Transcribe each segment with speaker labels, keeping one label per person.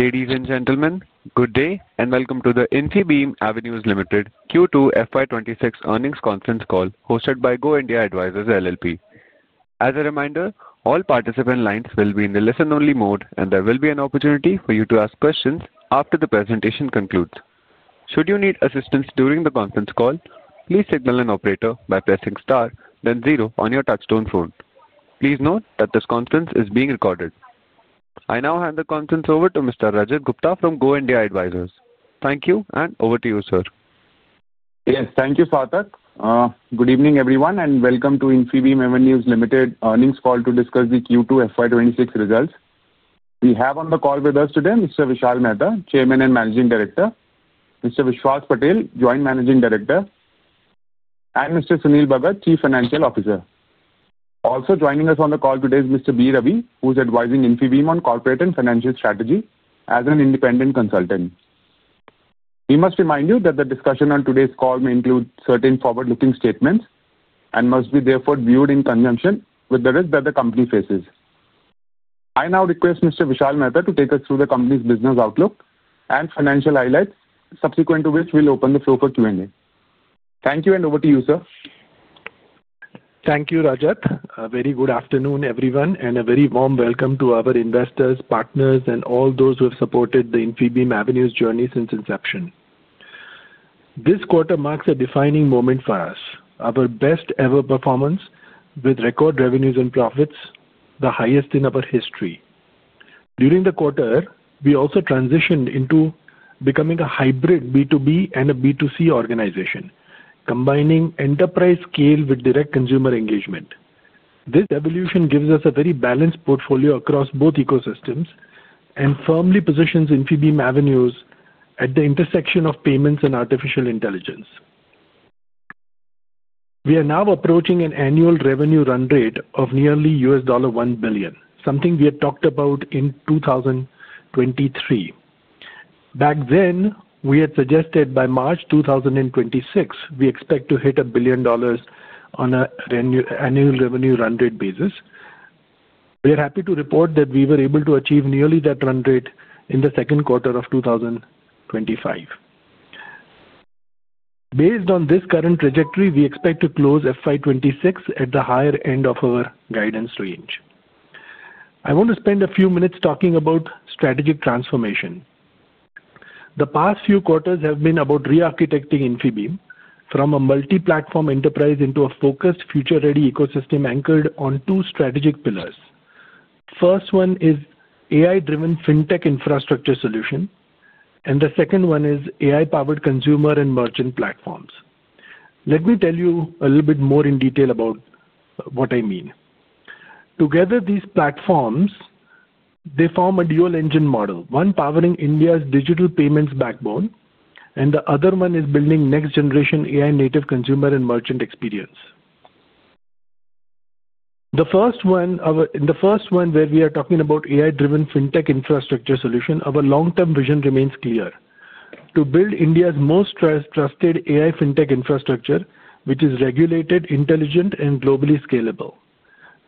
Speaker 1: Ladies and gentlemen, good day and welcome to the Infibeam Avenues Ltd Q2 FY 2026 earnings conference call hosted by Go India Advisors LLP. As a reminder, all participant lines will be in the listen-only mode, and there will be an opportunity for you to ask questions after the presentation concludes. Should you need assistance during the conference call, please signal an operator by pressing star, then zero on your touchstone phone. Please note that this conference is being recorded. I now hand the conference over to Mr. Rajat Gupta from Go India Advisors. Thank you, and over to you, sir.
Speaker 2: Yes, thank you, Fathak. Good evening, everyone, and welcome to Infibeam Avenues Ltd earnings call to discuss the Q2 FY 2026 results. We have on the call with us today Mr. Vishal Mehta, Chairman and Managing Director; Mr. Vishwas Patel, Joint Managing Director; and Mr. Sunil Bhagat, Chief Financial Officer. Also joining us on the call today is Mr. B. Ravi, who's advising Infibeam on corporate and financial strategy as an independent consultant. We must remind you that the discussion on today's call may include certain forward-looking statements and must be therefore viewed in conjunction with the risk that the company faces. I now request Mr. Vishal Mehta to take us through the company's business outlook and financial highlights, subsequent to which we'll open the floor for Q&A. Thank you, and over to you, sir.
Speaker 3: Thank you, Rajat. A very good afternoon, everyone, and a very warm welcome to our investors, partners, and all those who have supported the Infibeam Avenues journey since inception. This quarter marks a defining moment for us: our best-ever performance with record revenues and profits, the highest in our history. During the quarter, we also transitioned into becoming a hybrid B2B and a B2C organization, combining enterprise scale with direct consumer engagement. This evolution gives us a very balanced portfolio across both ecosystems and firmly positions Infibeam Avenues at the intersection of payments and artificial intelligence. We are now approaching an annual revenue run rate of nearly $1 billion, something we had talked about in 2023. Back then, we had suggested by March 2026 we expect to hit a billion dollars on an annual revenue run rate basis. We are happy to report that we were able to achieve nearly that run rate in the second quarter of 2025. Based on this current trajectory, we expect to close FY 2026 at the higher end of our guidance range. I want to spend a few minutes talking about strategic transformation. The past few quarters have been about re-architecting Infibeam Avenues from a multi-platform enterprise into a focused, future-ready ecosystem anchored on two strategic pillars. The first one is AI-driven fintech infrastructure solution, and the second one is AI-powered consumer and merchant platforms. Let me tell you a little bit more in detail about what I mean. Together, these platforms form a dual-engine model: one powering India's digital payments backbone, and the other one is building next-generation AI-native consumer and merchant experience. In the first one, where we are talking about AI-driven fintech infrastructure solution, our long-term vision remains clear: to build India's most trusted AI fintech infrastructure, which is regulated, intelligent, and globally scalable.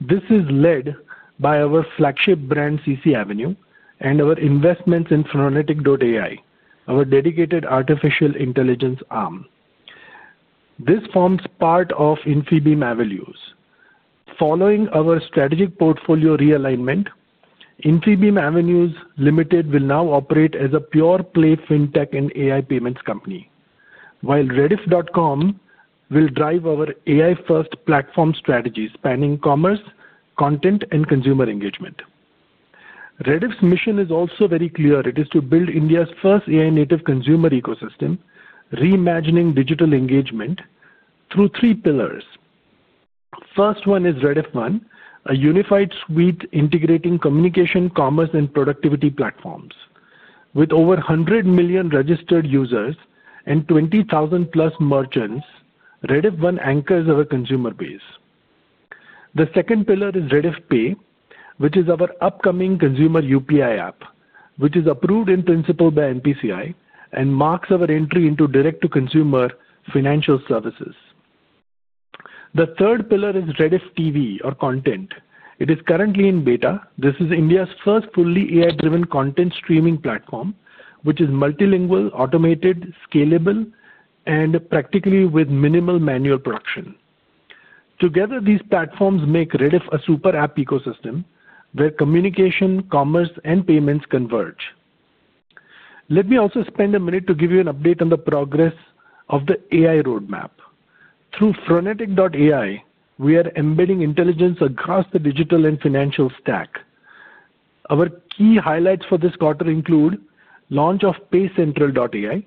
Speaker 3: This is led by our flagship brand, CCAvenue, and our investments in Phronetic.ai, our dedicated artificial intelligence arm. This forms part of Infibeam Avenues. Following our strategic portfolio realignment, Infibeam Avenues Ltd will now operate as a pure-play fintech and AI payments company, while Rediff.com will drive our AI-first platform strategies spanning commerce, content, and consumer engagement. Rediff's mission is also very clear: it is to build India's first AI-native consumer ecosystem, reimagining digital engagement through three pillars. The first one is Rediff One, a unified suite integrating communication, commerce, and productivity platforms. With over 100 million registered users and 20,000+ merchants, Rediff One anchors our consumer base. The second pillar is RediffPay, which is our upcoming consumer UPI app, which is approved in principle by NPCI and marks our entry into direct-to-consumer financial services. The third pillar is Rediff TV, or content. It is currently in beta. This is India's first fully AI-driven content streaming platform, which is multilingual, automated, scalable, and practically with minimal manual production. Together, these platforms make Rediff a super app ecosystem where communication, commerce, and payments converge. Let me also spend a minute to give you an update on the progress of the AI roadmap. Through Phronetic.ai, we are embedding intelligence across the digital and financial stack. Our key highlights for this quarter include the launch of PayCentral.ai.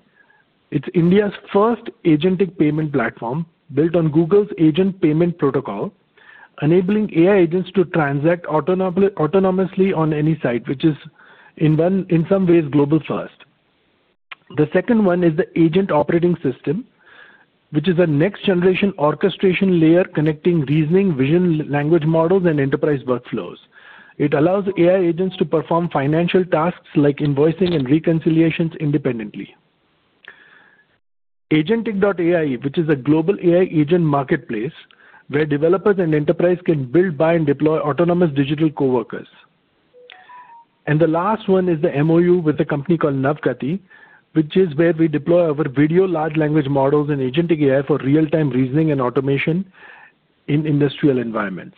Speaker 3: It's India's first agentic payment platform built on Google's agent payment protocol, enabling AI agents to transact autonomously on any site, which is, in some ways, global-first. The second one is the Agent Operating System, which is a next-generation orchestration layer connecting reasoning, vision, language models, and enterprise workflows. It allows AI agents to perform financial tasks like invoicing and reconciliations independently. Agentic.ai, which is a global AI agent marketplace where developers and enterprises can build, buy, and deploy autonomous digital coworkers. The last one is the MOU with a company called Nawgati, which is where we deploy our video large language models and agentic AI for real-time reasoning and automation in industrial environments.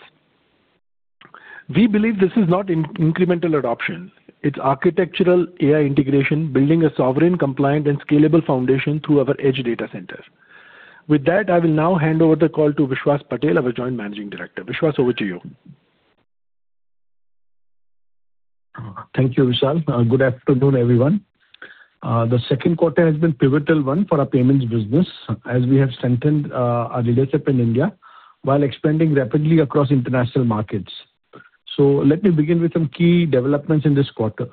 Speaker 3: We believe this is not incremental adoption; it is architectural AI integration, building a sovereign, compliant, and scalable foundation through our edge data center. With that, I will now hand over the call to Vishwas Patel, our Joint Managing Director. Vishwas, over to you.
Speaker 4: Thank you, Vishal. Good afternoon, everyone. The second quarter has been a pivotal one for our payments business as we have strengthened our leadership in India while expanding rapidly across international markets. Let me begin with some key developments in this quarter.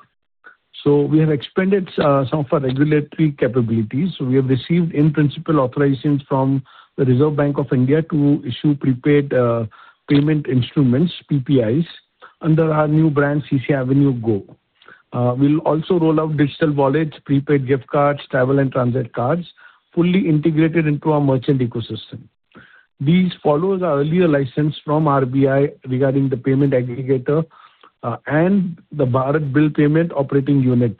Speaker 4: We have expanded some of our regulatory capabilities. We have received, in principle, authorizations from the Reserve Bank of India to issue prepaid payment instruments, PPIs, under our new brand, CCAvenue Go. We will also roll out digital wallets, prepaid gift cards, travel, and transit cards, fully integrated into our merchant ecosystem. These follow our earlier license from the RBI regarding the payment aggregator and the Bharat Bill Payment Operating Unit.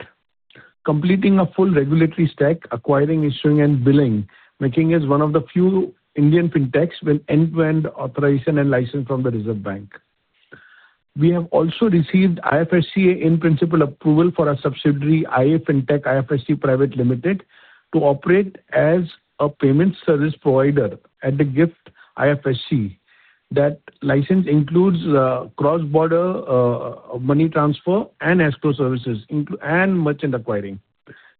Speaker 4: Completing a full regulatory stack, acquiring, issuing, and billing, making us one of the few Indian fintechs with end-to-end authorization and license from the Reserve Bank. We have also received IFSC, in principle, approval for our subsidiary, IA Fintech IFSC Private Ltd, to operate as a payment service provider at the GIFT IFSC. That license includes cross-border money transfer and escrow services and merchant acquiring.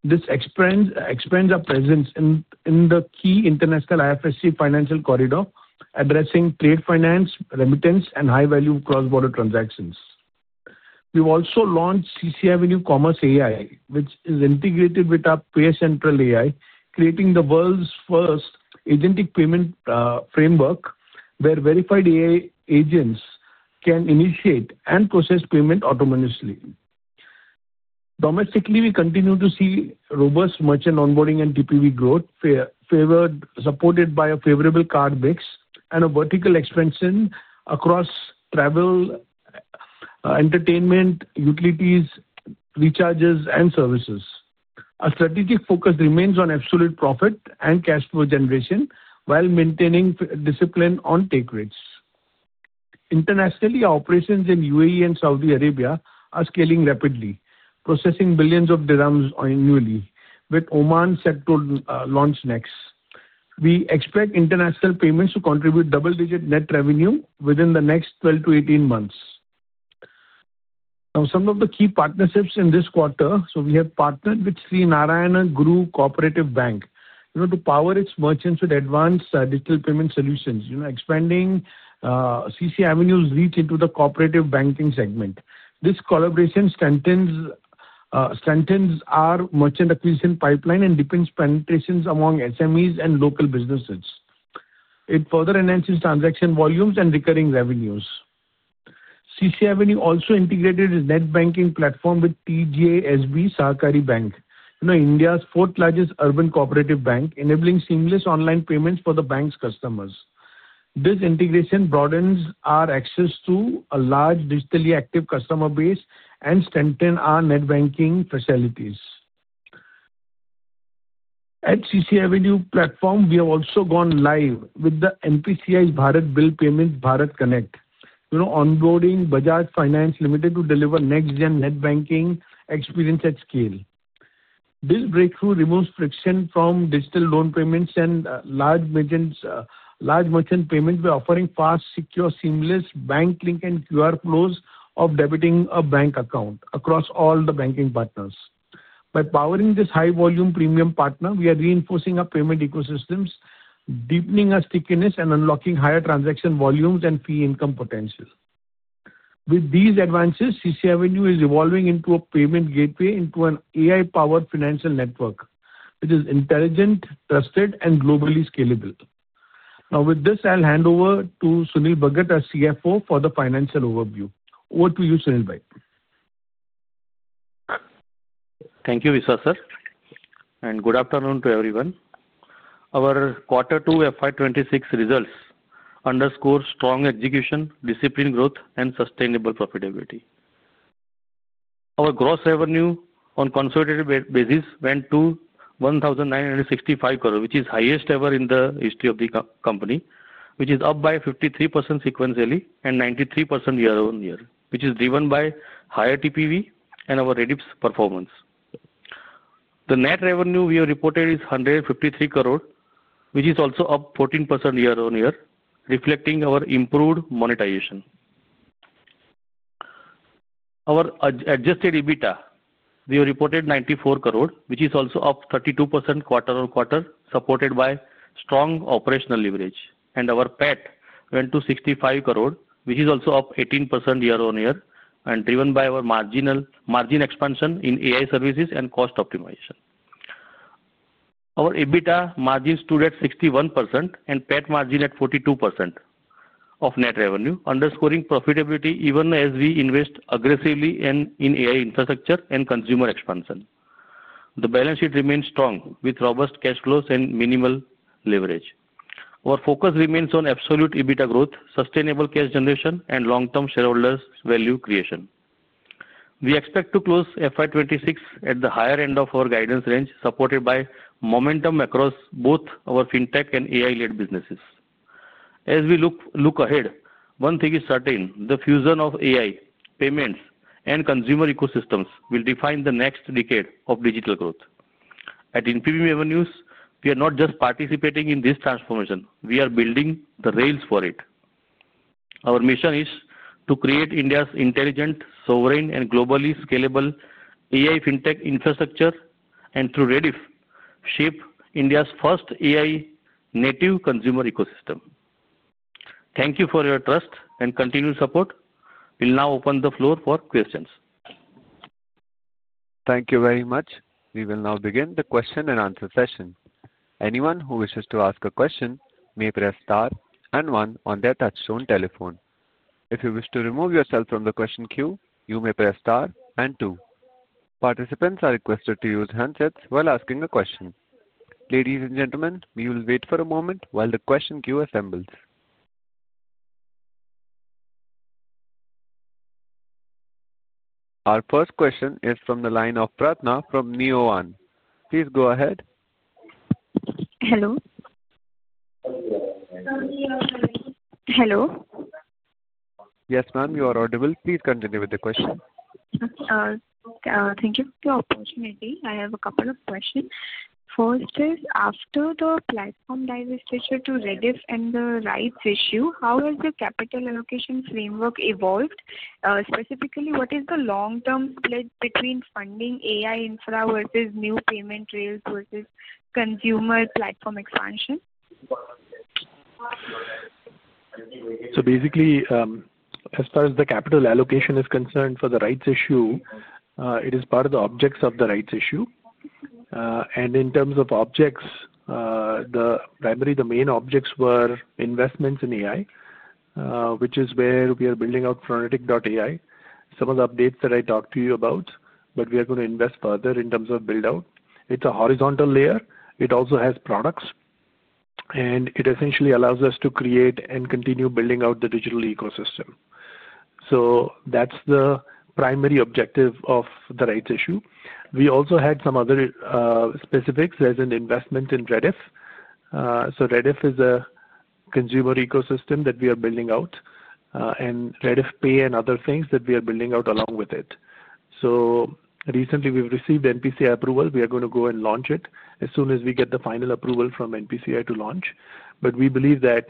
Speaker 4: This expands our presence in the key international IFSC financial corridor, addressing trade finance, remittance, and high-value cross-border transactions. We've also launched CCAvenue Commerce AI, which is integrated with our PayCentral.ai, creating the world's first agentic payment framework where verified AI agents can initiate and process payments autonomously. Domestically, we continue to see robust merchant onboarding and TPV growth, supported by a favorable card mix and a vertical expansion across travel, entertainment, utilities, recharges, and services. Our strategic focus remains on absolute profit and cash flow generation while maintaining discipline on take rates. Internationally, our operations in U.A.E. and Saudi Arabia are scaling rapidly, processing billions of AED annually, with Oman set to launch next. We expect international payments to contribute double-digit net revenue within the next 12-18 months. Now, some of the key partnerships in this quarter: so we have partnered with Sree Narayana Guru Cooperative Bank to power its merchants with advanced digital payment solutions, expanding CCAvenue's reach into the cooperative banking segment. This collaboration strengthens our merchant acquisition pipeline and deepens penetrations among SMEs and local businesses. It further enhances transaction volumes and recurring revenues. CCAvenue also integrated its net banking platform with TJSB Sahakari Bank, India's fourth-largest urban cooperative bank, enabling seamless online payments for the bank's customers. This integration broadens our access to a large digitally active customer base and strengthens our net banking facilities. At CCAvenue platform, we have also gone live with the NPCI's Bharat Bill Payment's Bharat Connect, onboarding Bajaj Finance Ltd to deliver next-gen net banking experience at scale. This breakthrough removes friction from digital loan payments and large merchant payments by offering fast, secure, seamless bank link and QR flows of debiting a bank account across all the banking partners. By powering this high-volume premium partner, we are reinforcing our payment ecosystems, deepening our stickiness, and unlocking higher transaction volumes and fee income potential. With these advances, CCAvenue is evolving into a payment gateway into an AI-powered financial network, which is intelligent, trusted, and globally scalable. Now, with this, I'll hand over to Sunil Bhagat, our CFO, for the financial overview. Over to you, Sunil Bhagat.
Speaker 5: Thank you, Vishwas, and good afternoon to everyone. Our quarter two FY 2026 results underscore strong execution, discipline, growth, and sustainable profitability. Our gross revenue on a consolidated basis went to 1,965 crore, which is the highest ever in the history of the company, which is up by 53% sequentially and 93% year-on-year, which is driven by higher TPV and our Rediff.com's performance. The net revenue we have reported is 153 crore, which is also up 14% year-on-year, reflecting our improved monetization. Our adjusted EBITDA we have reported is 94 crore, which is also up 32% quarter-on-quarter, supported by strong operational leverage, and our PAT went to 65 crore, which is also up 18% year-on-year, and driven by our margin expansion in AI services and cost optimization. Our EBITDA margin stood at 61%, and PAT margin at 42% of net revenue, underscoring profitability even as we invest aggressively in AI infrastructure and consumer expansion. The balance sheet remains strong with robust cash flows and minimal leverage. Our focus remains on absolute EBITDA growth, sustainable cash generation, and long-term shareholder value creation. We expect to close FY 2026 at the higher end of our guidance range, supported by momentum across both our fintech and AI-led businesses. As we look ahead, one thing is certain: the fusion of AI, payments, and consumer ecosystems will define the next decade of digital growth. At Infibeam Avenues, we are not just participating in this transformation; we are building the rails for it. Our mission is to create India's intelligent, sovereign, and globally scalable AI fintech infrastructure, and through Rediff.com, shape India's first AI-native consumer ecosystem. Thank you for your trust and continued support. We'll now open the floor for questions.
Speaker 1: Thank you very much. We will now begin the question-and-answer session. Anyone who wishes to ask a question may press star and one on their touchstone telephone. If you wish to remove yourself from the question queue, you may press star and two. Participants are requested to use handsets while asking a question. Ladies and gentlemen, we will wait for a moment while the question queue assembles. Our first question is from the line of Pratna from Neo One. Please go ahead.
Speaker 6: Hello.
Speaker 1: Yes, ma'am, you are audible. Please continue with the question.
Speaker 6: Thank you for the opportunity. I have a couple of questions. First is, after the platform divestiture to Rediff.com and the rights issue, how has the capital allocation framework evolved? Specifically, what is the long-term split between funding AI infra versus new payment rails versus consumer platform expansion?
Speaker 3: Basically, as far as the capital allocation is concerned for the rights issue, it is part of the objects of the rights issue. In terms of objects, primarily the main objects were investments in AI, which is where we are building out Phronetic.ai. Some of the updates that I talked to you about, but we are going to invest further in terms of build-out. It is a horizontal layer. It also has products, and it essentially allows us to create and continue building out the digital ecosystem. That is the primary objective of the rights issue. We also had some other specifics as an investment in Rediff. Rediff is a consumer ecosystem that we are building out, and RediffPay and other things that we are building out along with it. Recently, we have received NPCI approval. We are going to go and launch it as soon as we get the final approval from NPCI to launch. We believe that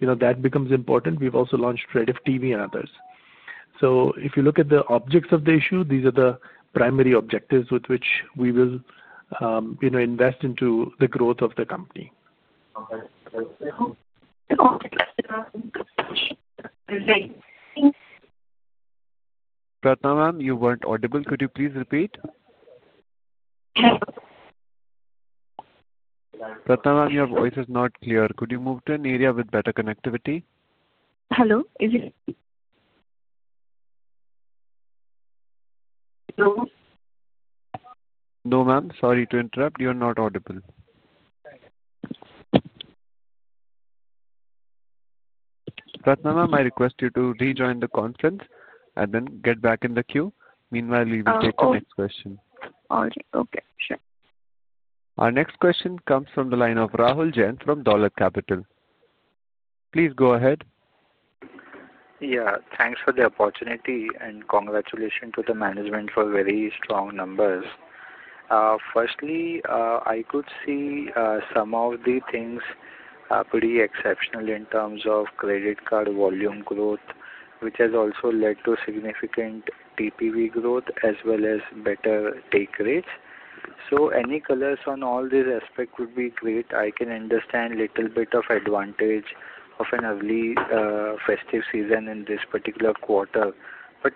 Speaker 3: that becomes important. We've also launched Rediff TV and others. If you look at the objects of the issue, these are the primary objectives with which we will invest into the growth of the company.
Speaker 1: Pratna ma'am, you weren't audible. Could you please repeat?
Speaker 6: Hello.
Speaker 1: Pratna ma'am, your voice is not clear. Could you move to an area with better connectivity?
Speaker 6: Hello. Is it?
Speaker 1: No. No, ma'am. Sorry to interrupt. You are not audible. Pratna ma'am, I request you to rejoin the conference and then get back in the queue. Meanwhile, we will take the next question.
Speaker 6: All right. Okay. Sure.
Speaker 1: Our next question comes from the line of Rahul Jain from Dolat Capital. Please go ahead.
Speaker 7: Yeah. Thanks for the opportunity, and congratulations to the management for very strong numbers. Firstly, I could see some of the things pretty exceptional in terms of credit card volume growth, which has also led to significant TPV growth as well as better take rates. Any colors on all these aspects would be great. I can understand a little bit of advantage of an early festive season in this particular quarter.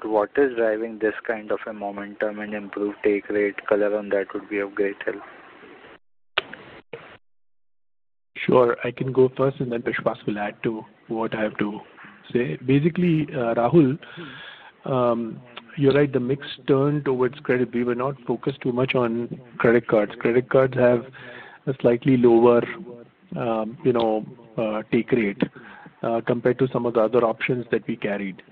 Speaker 7: What is driving this kind of a momentum and improved take rate? Color on that would be of great help.
Speaker 3: Sure. I can go first, and then Vishwas will add to what I have to say. Basically, Rahul, you're right. The mix turned towards credit. We were not focused too much on credit cards. Credit cards have a slightly lower take rate compared to some of the other options that we carried.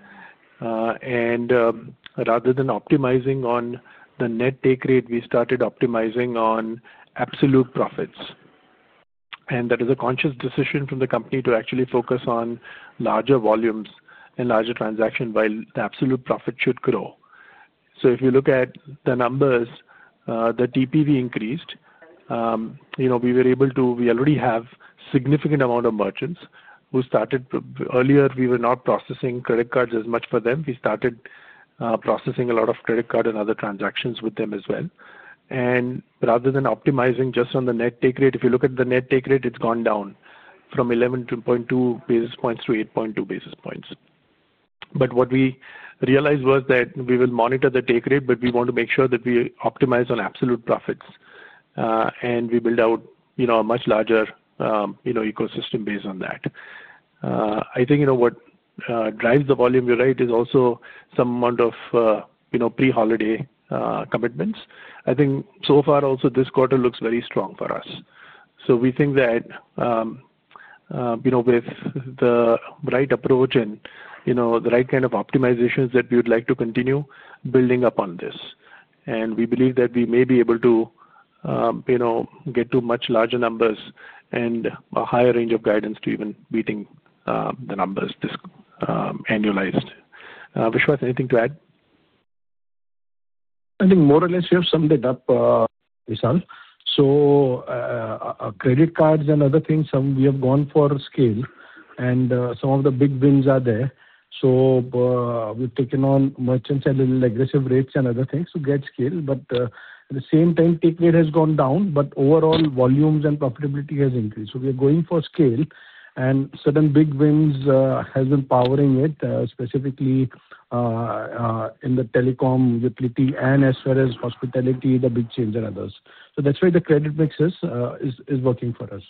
Speaker 3: Rather than optimizing on the net take rate, we started optimizing on absolute profits. That is a conscious decision from the company to actually focus on larger volumes and larger transactions while the absolute profit should grow. If you look at the numbers, the TPV increased. We were able to—we already have a significant amount of merchants who started earlier. We were not processing credit cards as much for them. We started processing a lot of credit card and other transactions with them as well. Rather than optimizing just on the net take rate, if you look at the net take rate, it has gone down from 11.2 basis points to 8.2 basis points. What we realized was that we will monitor the take rate, but we want to make sure that we optimize on absolute profits. We build out a much larger ecosystem based on that. I think what drives the volume, you're right, is also some amount of pre-holiday commitments. I think so far also this quarter looks very strong for us. We think that with the right approach and the right kind of optimizations that we would like to continue building upon this. We believe that we may be able to get to much larger numbers and a higher range of guidance to even beating the numbers annualized. Vishwas, anything to add?
Speaker 4: I think more or less you have summed it up, Vishal. Credit cards and other things, we have gone for scale, and some of the big wins are there. We have taken on merchants at a little aggressive rates and other things to get scale. At the same time, take rate has gone down, but overall volumes and profitability has increased. We are going for scale, and certain big wins have been powering it, specifically in the telecom utility and as far as hospitality, the big change and others. That is why the credit mix is working for us.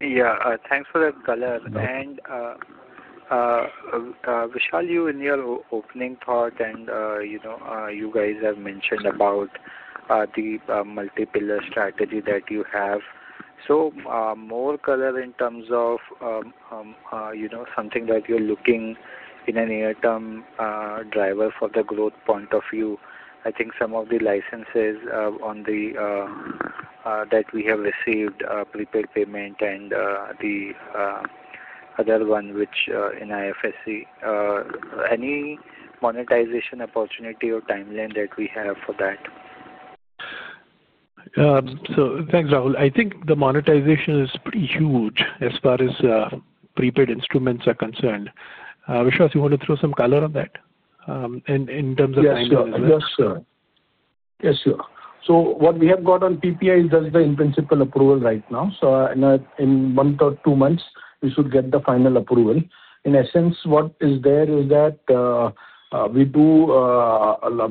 Speaker 7: Yeah. Thanks for that color. Vishal, you in your opening thought, and you guys have mentioned about the multi-pillar strategy that you have. More color in terms of something that you're looking in a near-term driver for the growth point of view. I think some of the licenses that we have received, prepaid payment, and the other one which in IFSC. Any monetization opportunity or timeline that we have for that?
Speaker 3: Thanks, Rahul. I think the monetization is pretty huge as far as prepaid instruments are concerned. Vishwas, you want to throw some color on that in terms of timeline as well?
Speaker 4: Yes, sir. Yes, sir. What we have got on PPI is just the in-principle approval right now. In one to two months, we should get the final approval. In essence, what is there is that we do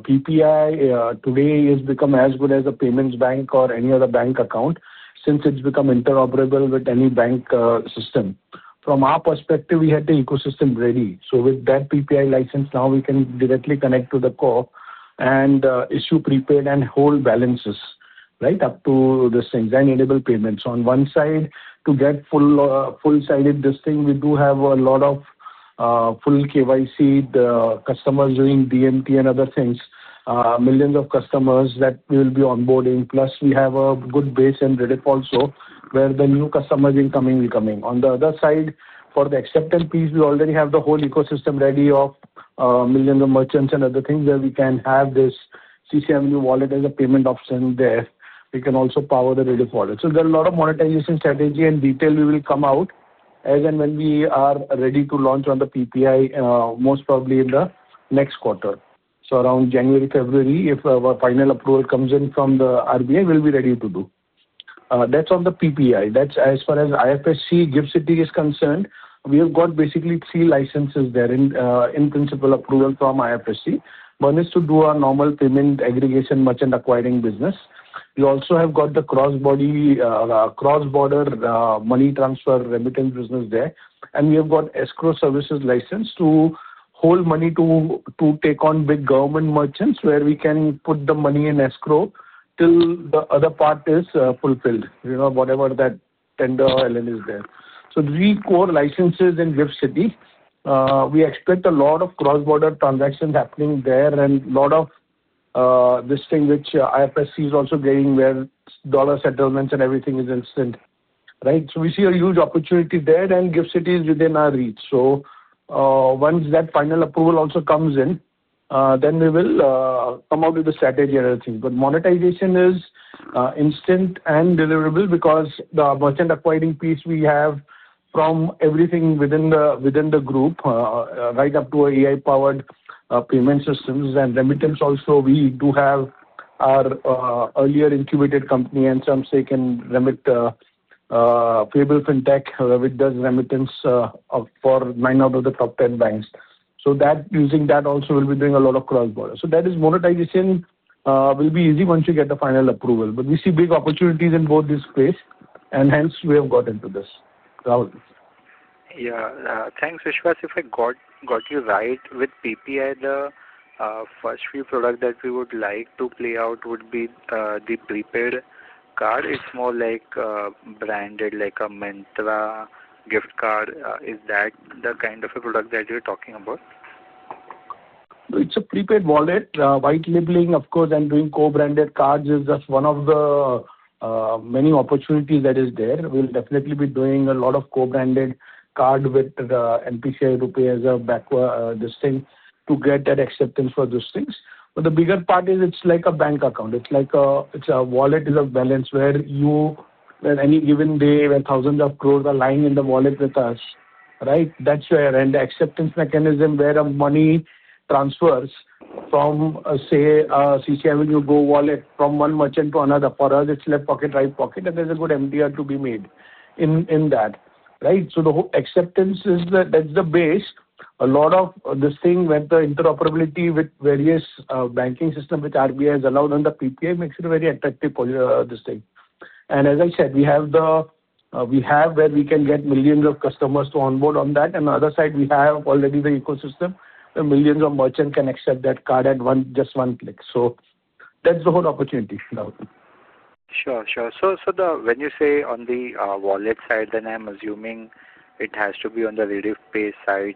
Speaker 4: PPI today has become as good as a payments bank or any other bank account since it has become interoperable with any bank system. From our perspective, we had the ecosystem ready. With that PPI license, now we can directly connect to the core and issue prepaid and hold balances, right, up to the same enable payments. On one side, to get full-sided this thing, we do have a lot of full KYC, the customers doing DMT and other things, millions of customers that we will be onboarding. Plus, we have a good base in Rediff.com also where the new customers will be coming. On the other side, for the acceptance piece, we already have the whole ecosystem ready of millions of merchants and other things where we can have this CCAvenue wallet as a payment option there. We can also power the Rediff wallet. There are a lot of monetization strategy and detail we will come out as and when we are ready to launch on the PPI, most probably in the next quarter. Around January, February, if our final approval comes in from the RBI, we'll be ready to do. That's on the PPI. That's as far as IFSC, GIFT City is concerned. We have got basically three licenses there in in-principle approval from IFSC. One is to do our normal payment aggregation merchant acquiring business. We also have got the cross-border money transfer remittance business there. We have got escrow services license to hold money to take on big government merchants where we can put the money in escrow till the other part is fulfilled, whatever that tender element is there. The three core licenses in GIFT City, we expect a lot of cross-border transactions happening there and a lot of this thing which IFSC is also getting where dollar settlements and everything is instant, right? We see a huge opportunity there and GIFT City is within our reach. Once that final approval also comes in, we will come out with the strategy and everything. Monetization is instant and deliverable because the merchant acquiring piece we have from everything within the group right up to AI-powered payment systems and remittance also. We do have our earlier incubated company, and some say can remit Payable fintech, whoever does remittance for nine out of the top 10 banks. Using that, also we'll be doing a lot of cross-border. That is, monetization will be easy once you get the final approval. We see big opportunities in both these space, and hence we have got into this. Rahul.
Speaker 7: Yeah. Thanks, Vishwas. If I got you right, with PPI, the first few products that we would like to play out would be the prepaid card. It's more like branded like a Myntra gift card. Is that the kind of a product that you're talking about?
Speaker 4: It's a prepaid wallet. White labeling, of course, and doing co-branded cards is just one of the many opportunities that is there. We'll definitely be doing a lot of co-branded card with NPCI, RuPay, as a, this thing to get that acceptance for those things. The bigger part is it's like a bank account. It's like a wallet is a balance where you, on any given day, where thousands of crores are lying in the wallet with us, right? That's where and the acceptance mechanism where money transfers from, say, a CCAvenue Go wallet from one merchant to another. For us, it's left pocket, right pocket, and there's a good MDR to be made in that, right? The acceptance is that's the base. A lot of this thing with the interoperability with various banking systems which RBI has allowed on the PPI makes it very attractive for this thing. As I said, we have where we can get millions of customers to onboard on that. On the other side, we have already the ecosystem where millions of merchants can accept that card at just one click. That is the whole opportunity, Rahul.
Speaker 7: Sure. Sure. When you say on the wallet side, then I'm assuming it has to be on the RediffPay side.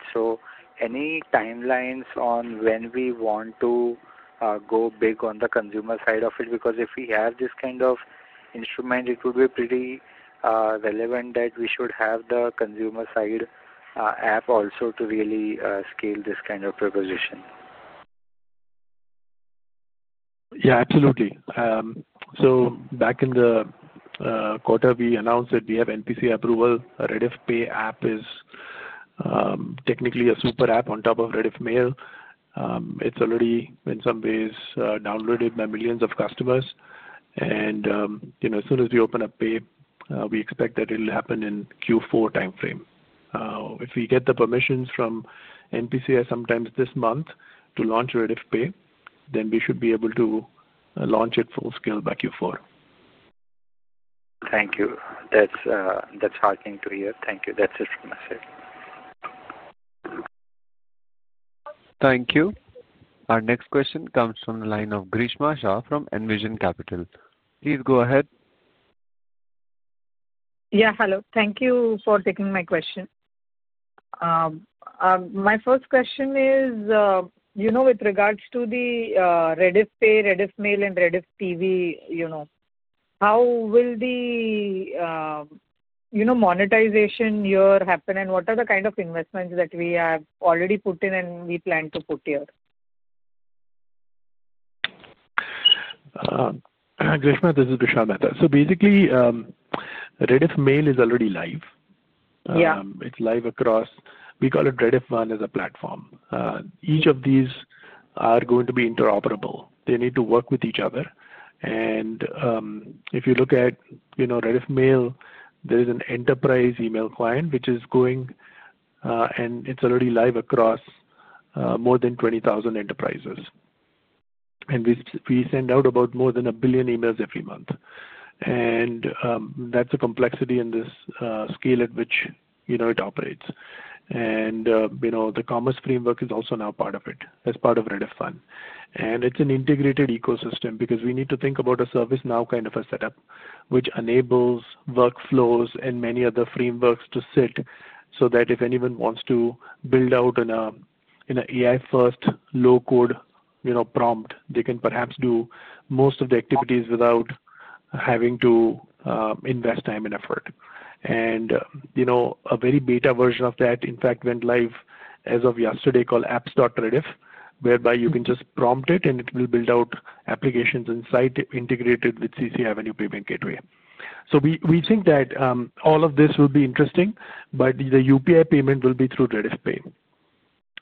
Speaker 7: Any timelines on when we want to go big on the consumer side of it? Because if we have this kind of instrument, it would be pretty relevant that we should have the consumer side app also to really scale this kind of proposition.
Speaker 3: Yeah, absolutely. Back in the quarter, we announced that we have NPCI approval. RediffPay app is technically a super app on top of Rediff Mail. It's already, in some ways, downloaded by millions of customers. As soon as we open up Pay, we expect that it'll happen in Q4 timeframe. If we get the permissions from NPCI sometime this month to launch RediffPay, then we should be able to launch it full scale by Q4.
Speaker 7: Thank you. That's heartening to hear. Thank you. That's it from my side.
Speaker 1: Thank you. Our next question comes from the line of Grishma Shah from Envision Capital. Please go ahead.
Speaker 8: Yeah. Hello. Thank you for taking my question. My first question is, with regards to the RediffPay, Rediff Mail, and Rediff TV, how will the monetization year happen? What are the kind of investments that we have already put in and we plan to put here?
Speaker 3: Grishma, this is Vishal Mehta. Basically, Rediff Mail is already live. It is live across, we call it Rediff One as a platform. Each of these are going to be interoperable. They need to work with each other. If you look at Rediff Mail, there is an enterprise email client which is going, and it is already live across more than 20,000 enterprises. We send out about more than 1 billion emails every month. That is the complexity and the scale at which it operates. The commerce framework is also now part of it as part of Rediff One. It's an integrated ecosystem because we need to think about a service now kind of a setup which enables workflows and many other frameworks to sit so that if anyone wants to build out an AI-first low-code prompt, they can perhaps do most of the activities without having to invest time and effort. A very beta version of that, in fact, went live as of yesterday called apps.rediff, whereby you can just prompt it, and it will build out applications inside integrated with CCAvenue Payment Gateway. We think that all of this will be interesting, but the UPI payment will be through RediffPay.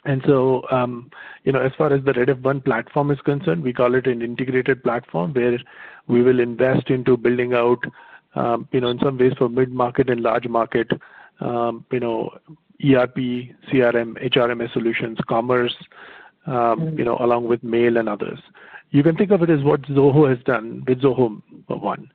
Speaker 3: As far as the Rediff One platform is concerned, we call it an integrated platform where we will invest into building out, in some ways, for mid-market and large market ERP, CRM, HRMS solutions, commerce along with mail and others. You can think of it as what Zoho has done with Zoho One.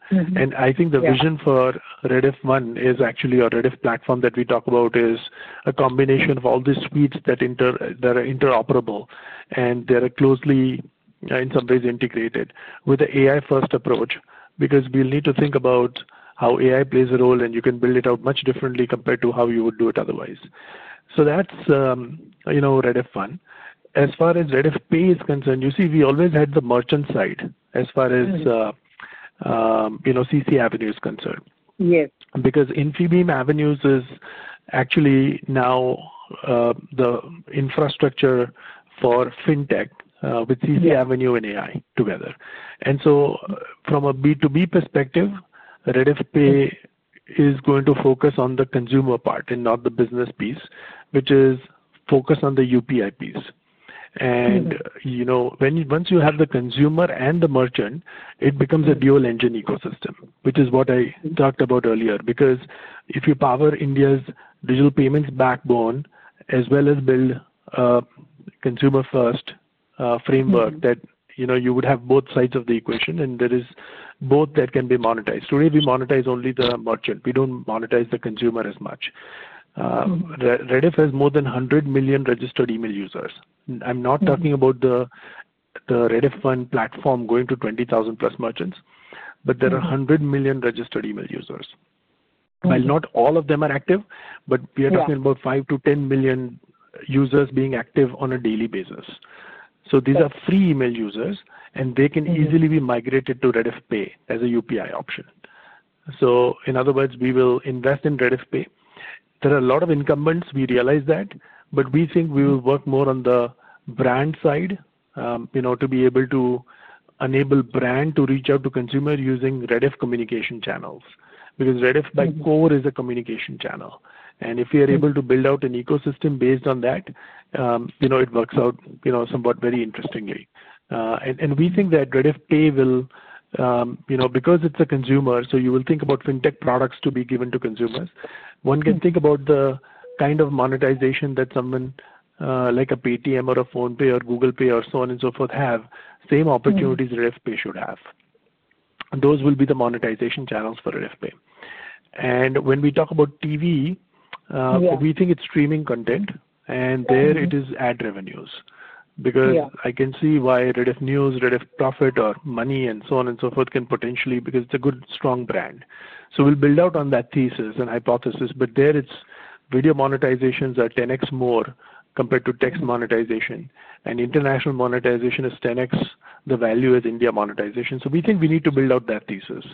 Speaker 3: I think the vision for Rediff One is actually a Rediff platform that we talk about as a combination of all the suites that are interoperable, and they're closely, in some ways, integrated with the AI-first approach because we'll need to think about how AI plays a role, and you can build it out much differently compared to how you would do it otherwise. That's Rediff One. As far as RediffPay is concerned, you see we always had the merchant side as far as CCAvenue is concerned because Infibeam Avenues is actually now the infrastructure for fintech with CCAvenue and AI together. From a B2B perspective, RediffPay is going to focus on the consumer part and not the business piece, which is focused on the UPI piece. Once you have the consumer and the merchant, it becomes a dual-engine ecosystem, which is what I talked about earlier because if you power India's digital payments backbone as well as build a consumer-first framework, you would have both sides of the equation, and there is both that can be monetized. Today, we monetize only the merchant. We do not monetize the consumer as much. Rediff has more than 100 million registered email users. I am not talking about the Rediff One platform going to 20,000-plus merchants, but there are 100 million registered email users. While not all of them are active, we are talking about 5-10 million users being active on a daily basis. These are free email users, and they can easily be migrated to RediffPay as a UPI option. In other words, we will invest in RediffPay. There are a lot of incumbents. We realize that, but we think we will work more on the brand side to be able to enable brand to reach out to consumer using Rediff communication channels because Rediff by core is a communication channel. If we are able to build out an ecosystem based on that, it works out somewhat very interestingly. We think that RediffPay will, because it's a consumer, so you will think about fintech products to be given to consumers. One can think about the kind of monetization that someone like a Paytm or a PhonePe or Google Pay or so on and so forth have, same opportunities RediffPay should have. Those will be the monetization channels for RediffPay. When we talk about TV, we think it's streaming content, and there it is ad revenues because I can see why Rediff News, Rediff Profit or Money and so on and so forth can potentially because it's a good, strong brand. We will build out on that thesis and hypothesis, but there its video monetizations are 10x more compared to text monetization, and international monetization is 10x the value as India monetization. We think we need to build out that thesis.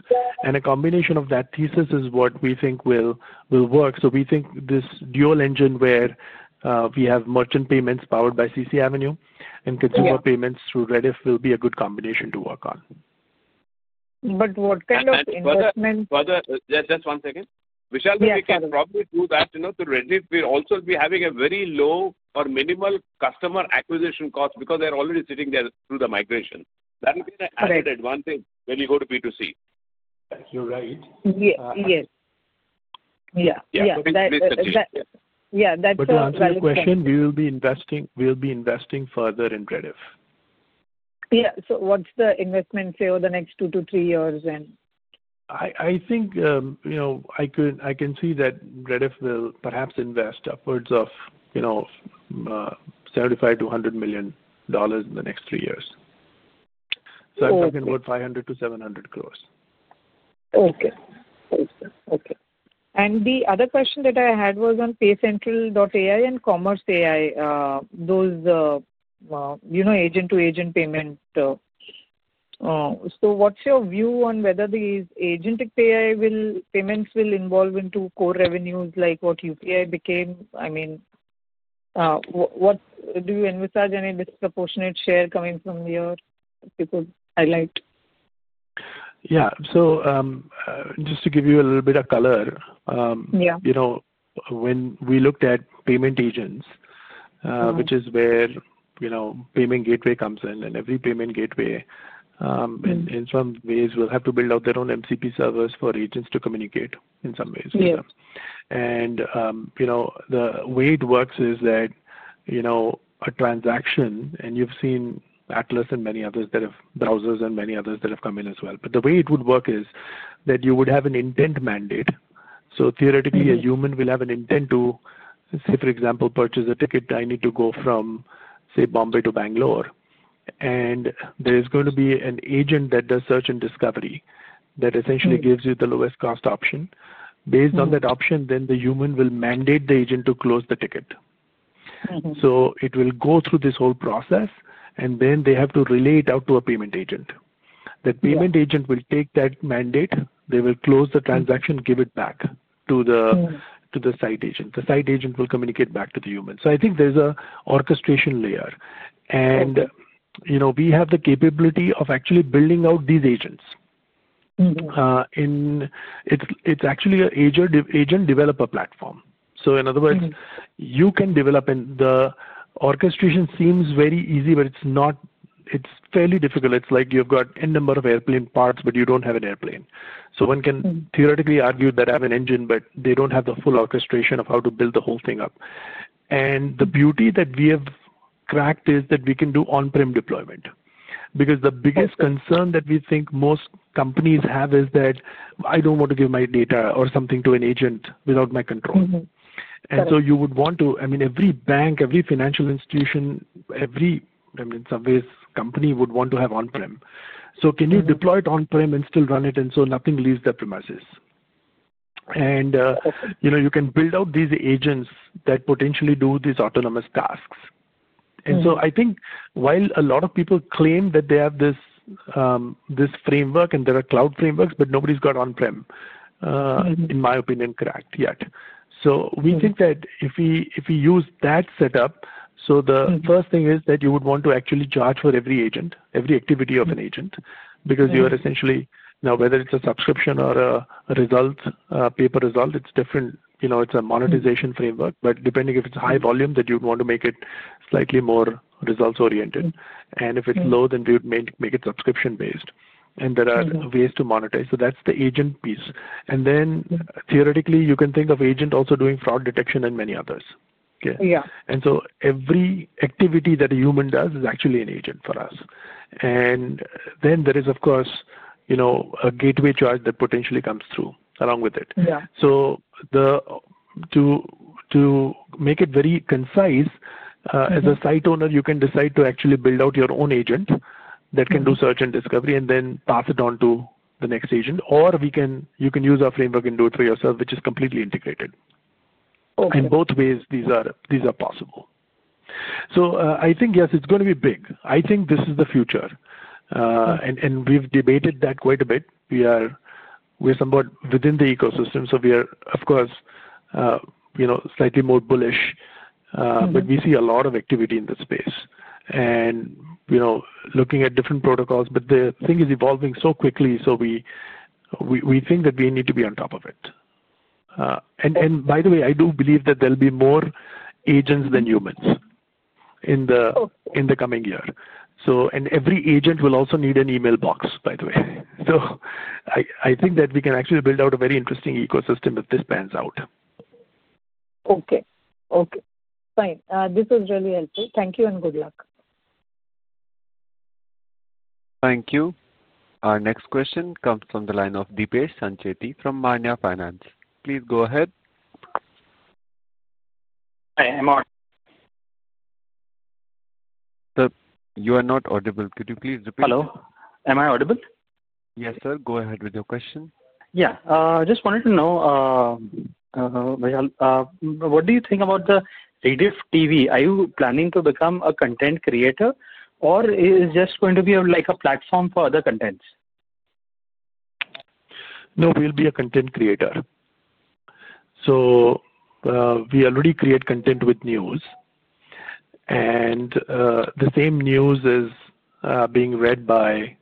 Speaker 3: A combination of that thesis is what we think will work. We think this dual engine where we have merchant payments powered by CCAvenue and consumer payments through Rediff will be a good combination to work on.
Speaker 8: What kind of investment?
Speaker 4: Just one second. Vishal, we can probably do that to Rediff. We will also be having a very low or minimal customer acquisition cost because they are already sitting there through the migration. That will be an added advantage when you go to B2C. You're right.
Speaker 8: Yes. Yeah. Yeah. That's the question.
Speaker 3: To answer your question, we will be investing further in Rediff.
Speaker 8: Yeah. So what's the investment, say, over the next two to three years then?
Speaker 3: I think I can see that Rediff will perhaps invest upwards of $75 million-$100 million in the next three years. So I'm talking about 500 crore-700 crore.
Speaker 8: Okay. Okay. The other question that I had was on PayCentral.ai and Commerce.ai, those agent-to-agent payment. What's your view on whether these agent-to-agent payments will evolve into core revenues like what UPI became? I mean, do you envisage any disproportionate share coming from here? People highlight.
Speaker 3: Yeah. So just to give you a little bit of color, when we looked at payment agents, which is where payment gateway comes in, and every payment gateway, in some ways, will have to build out their own MCP servers for agents to communicate in some ways with them. The way it works is that a transaction, and you've seen Atlas and many others that have browsers and many others that have come in as well. The way it would work is that you would have an intent mandate. Theoretically, a human will have an intent to, say, for example, purchase a ticket. I need to go from, say, Bombay to Bangalore, and there is going to be an agent that does search and discovery that essentially gives you the lowest cost option. Based on that option, then the human will mandate the agent to close the ticket. It will go through this whole process, and then they have to relay it out to a payment agent. The payment agent will take that mandate. They will close the transaction, give it back to the site agent. The site agent will communicate back to the human. I think there is an orchestration layer. We have the capability of actually building out these agents. It is actually an agent developer platform. In other words, you can develop, and the orchestration seems very easy, but it is fairly difficult. It is like you have got N number of airplane parts, but you do not have an airplane. One can theoretically argue that I have an engine, but they do not have the full orchestration of how to build the whole thing up. The beauty that we have cracked is that we can do on-prem deployment because the biggest concern that we think most companies have is that, "I do not want to give my data or something to an agent without my control." You would want to, I mean, every bank, every financial institution, every, I mean, in some ways, company would want to have on-prem. Can you deploy it on-prem and still run it so nothing leaves the premises? You can build out these agents that potentially do these autonomous tasks. I think while a lot of people claim that they have this framework and there are cloud frameworks, nobody's got on-prem, in my opinion, cracked yet. We think that if we use that setup, the first thing is that you would want to actually charge for every agent, every activity of an agent because you are essentially now, whether it's a subscription or a result, pay per result, it's different. It's a monetization framework, but depending if it's high volume, then you'd want to make it slightly more results-oriented. If it's low, then we would make it subscription-based. There are ways to monetize. That's the agent piece. Theoretically, you can think of agent also doing fraud detection and many others. Every activity that a human does is actually an agent for us. There is, of course, a gateway charge that potentially comes through along with it. To make it very concise, as a site owner, you can decide to actually build out your own agent that can do search and discovery and then pass it on to the next agent, or you can use our framework and do it for yourself, which is completely integrated. In both ways, these are possible. I think, yes, it's going to be big. I think this is the future. We've debated that quite a bit. We are somewhat within the ecosystem. We are, of course, slightly more bullish, but we see a lot of activity in the space and looking at different protocols. The thing is evolving so quickly, so we think that we need to be on top of it. By the way, I do believe that there'll be more agents than humans in the coming year. Every agent will also need an email box, by the way. I think that we can actually build out a very interesting ecosystem if this pans out.
Speaker 8: Okay. Okay. Fine. This was really helpful. Thank you and good luck.
Speaker 1: Thank you. Our next question comes from the line of Deepesh Sancheti from Maanya Finance. Please go ahead.
Speaker 9: Hi. I'm on.
Speaker 1: Sir, you are not audible. Could you please repeat?
Speaker 9: Hello? Am I audible?
Speaker 1: Yes, sir. Go ahead with your question.
Speaker 9: Yeah. I just wanted to know, Vishal, what do you think about the Rediff TV? Are you planning to become a content creator, or is it just going to be like a platform for other contents?
Speaker 3: No, we'll be a content creator. So we already create content with news, and the same news is being read by,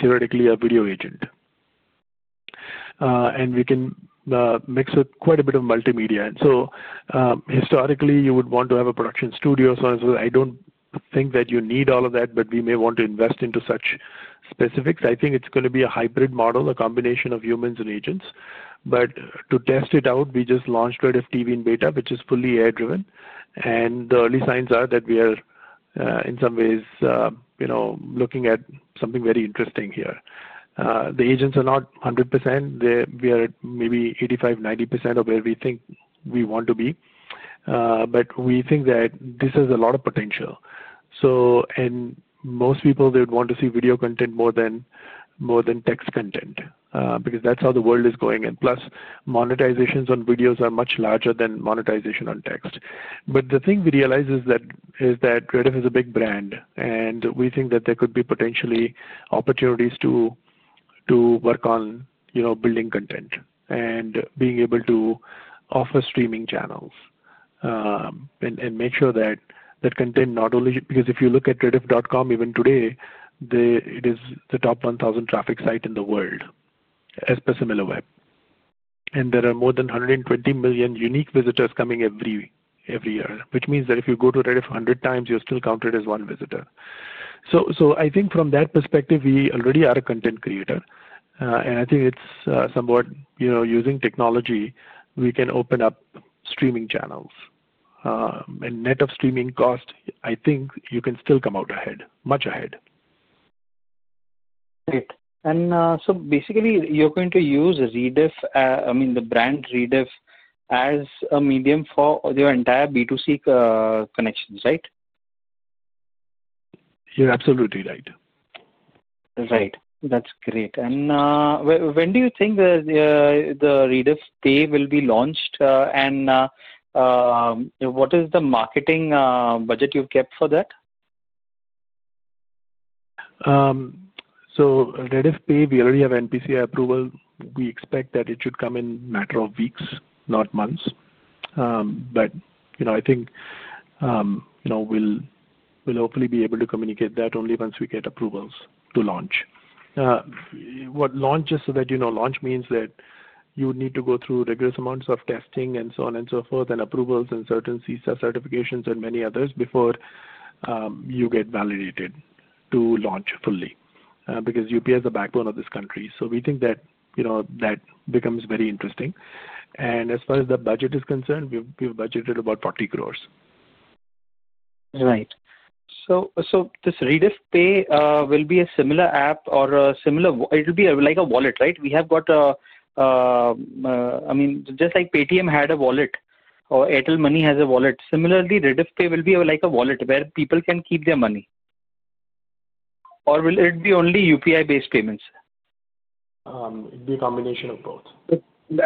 Speaker 3: theoretically, a video agent. And we can mix with quite a bit of multimedia. Historically, you would want to have a production studio or something. I don't think that you need all of that, but we may want to invest into such specifics. I think it's going to be a hybrid model, a combination of humans and agents. To test it out, we just launched Rediff TV in beta, which is fully AI-driven. The early signs are that we are, in some ways, looking at something very interesting here. The agents are not 100%. We are at maybe 85%-90% of where we think we want to be. We think that this has a lot of potential. Most people, they would want to see video content more than text content because that is how the world is going. Plus, monetizations on videos are much larger than monetization on text. The thing we realize is that Rediff is a big brand, and we think that there could be potentially opportunities to work on building content and being able to offer streaming channels and make sure that content not only because if you look at Rediff.com, even today, it is the top 1,000 traffic site in the world as per Similarweb. There are more than 120 million unique visitors coming every year, which means that if you go to Rediff 100 times, you are still counted as one visitor. I think from that perspective, we already are a content creator. I think it is somewhat using technology, we can open up streaming channels. Net of streaming cost, I think you can still come out ahead, much ahead.
Speaker 9: Great. And so basically, you're going to use Rediff, I mean, the brand Rediff as a medium for your entire B2C connections, right?
Speaker 3: You're absolutely right.
Speaker 9: Right. That's great. When do you think the RediffPay will be launched? What is the marketing budget you've kept for that?
Speaker 3: RediffPay, we already have NPCI approval. We expect that it should come in a matter of weeks, not months. I think we'll hopefully be able to communicate that only once we get approvals to launch. What launch is, so that you know, launch means that you would need to go through rigorous amounts of testing and so on and so forth and approvals and certain CSAR certifications and many others before you get validated to launch fully because UPI is the backbone of this country. We think that that becomes very interesting. As far as the budget is concerned, we've budgeted about 40 crore.
Speaker 9: Right. So this RediffPay will be a similar app or a similar, it'll be like a wallet, right? We have got a, I mean, just like Paytm had a wallet or Airtel Money has a wallet. Similarly, RediffPay will be like a wallet where people can keep their money. Or will it be only UPI-based payments?
Speaker 3: It'd be a combination of both.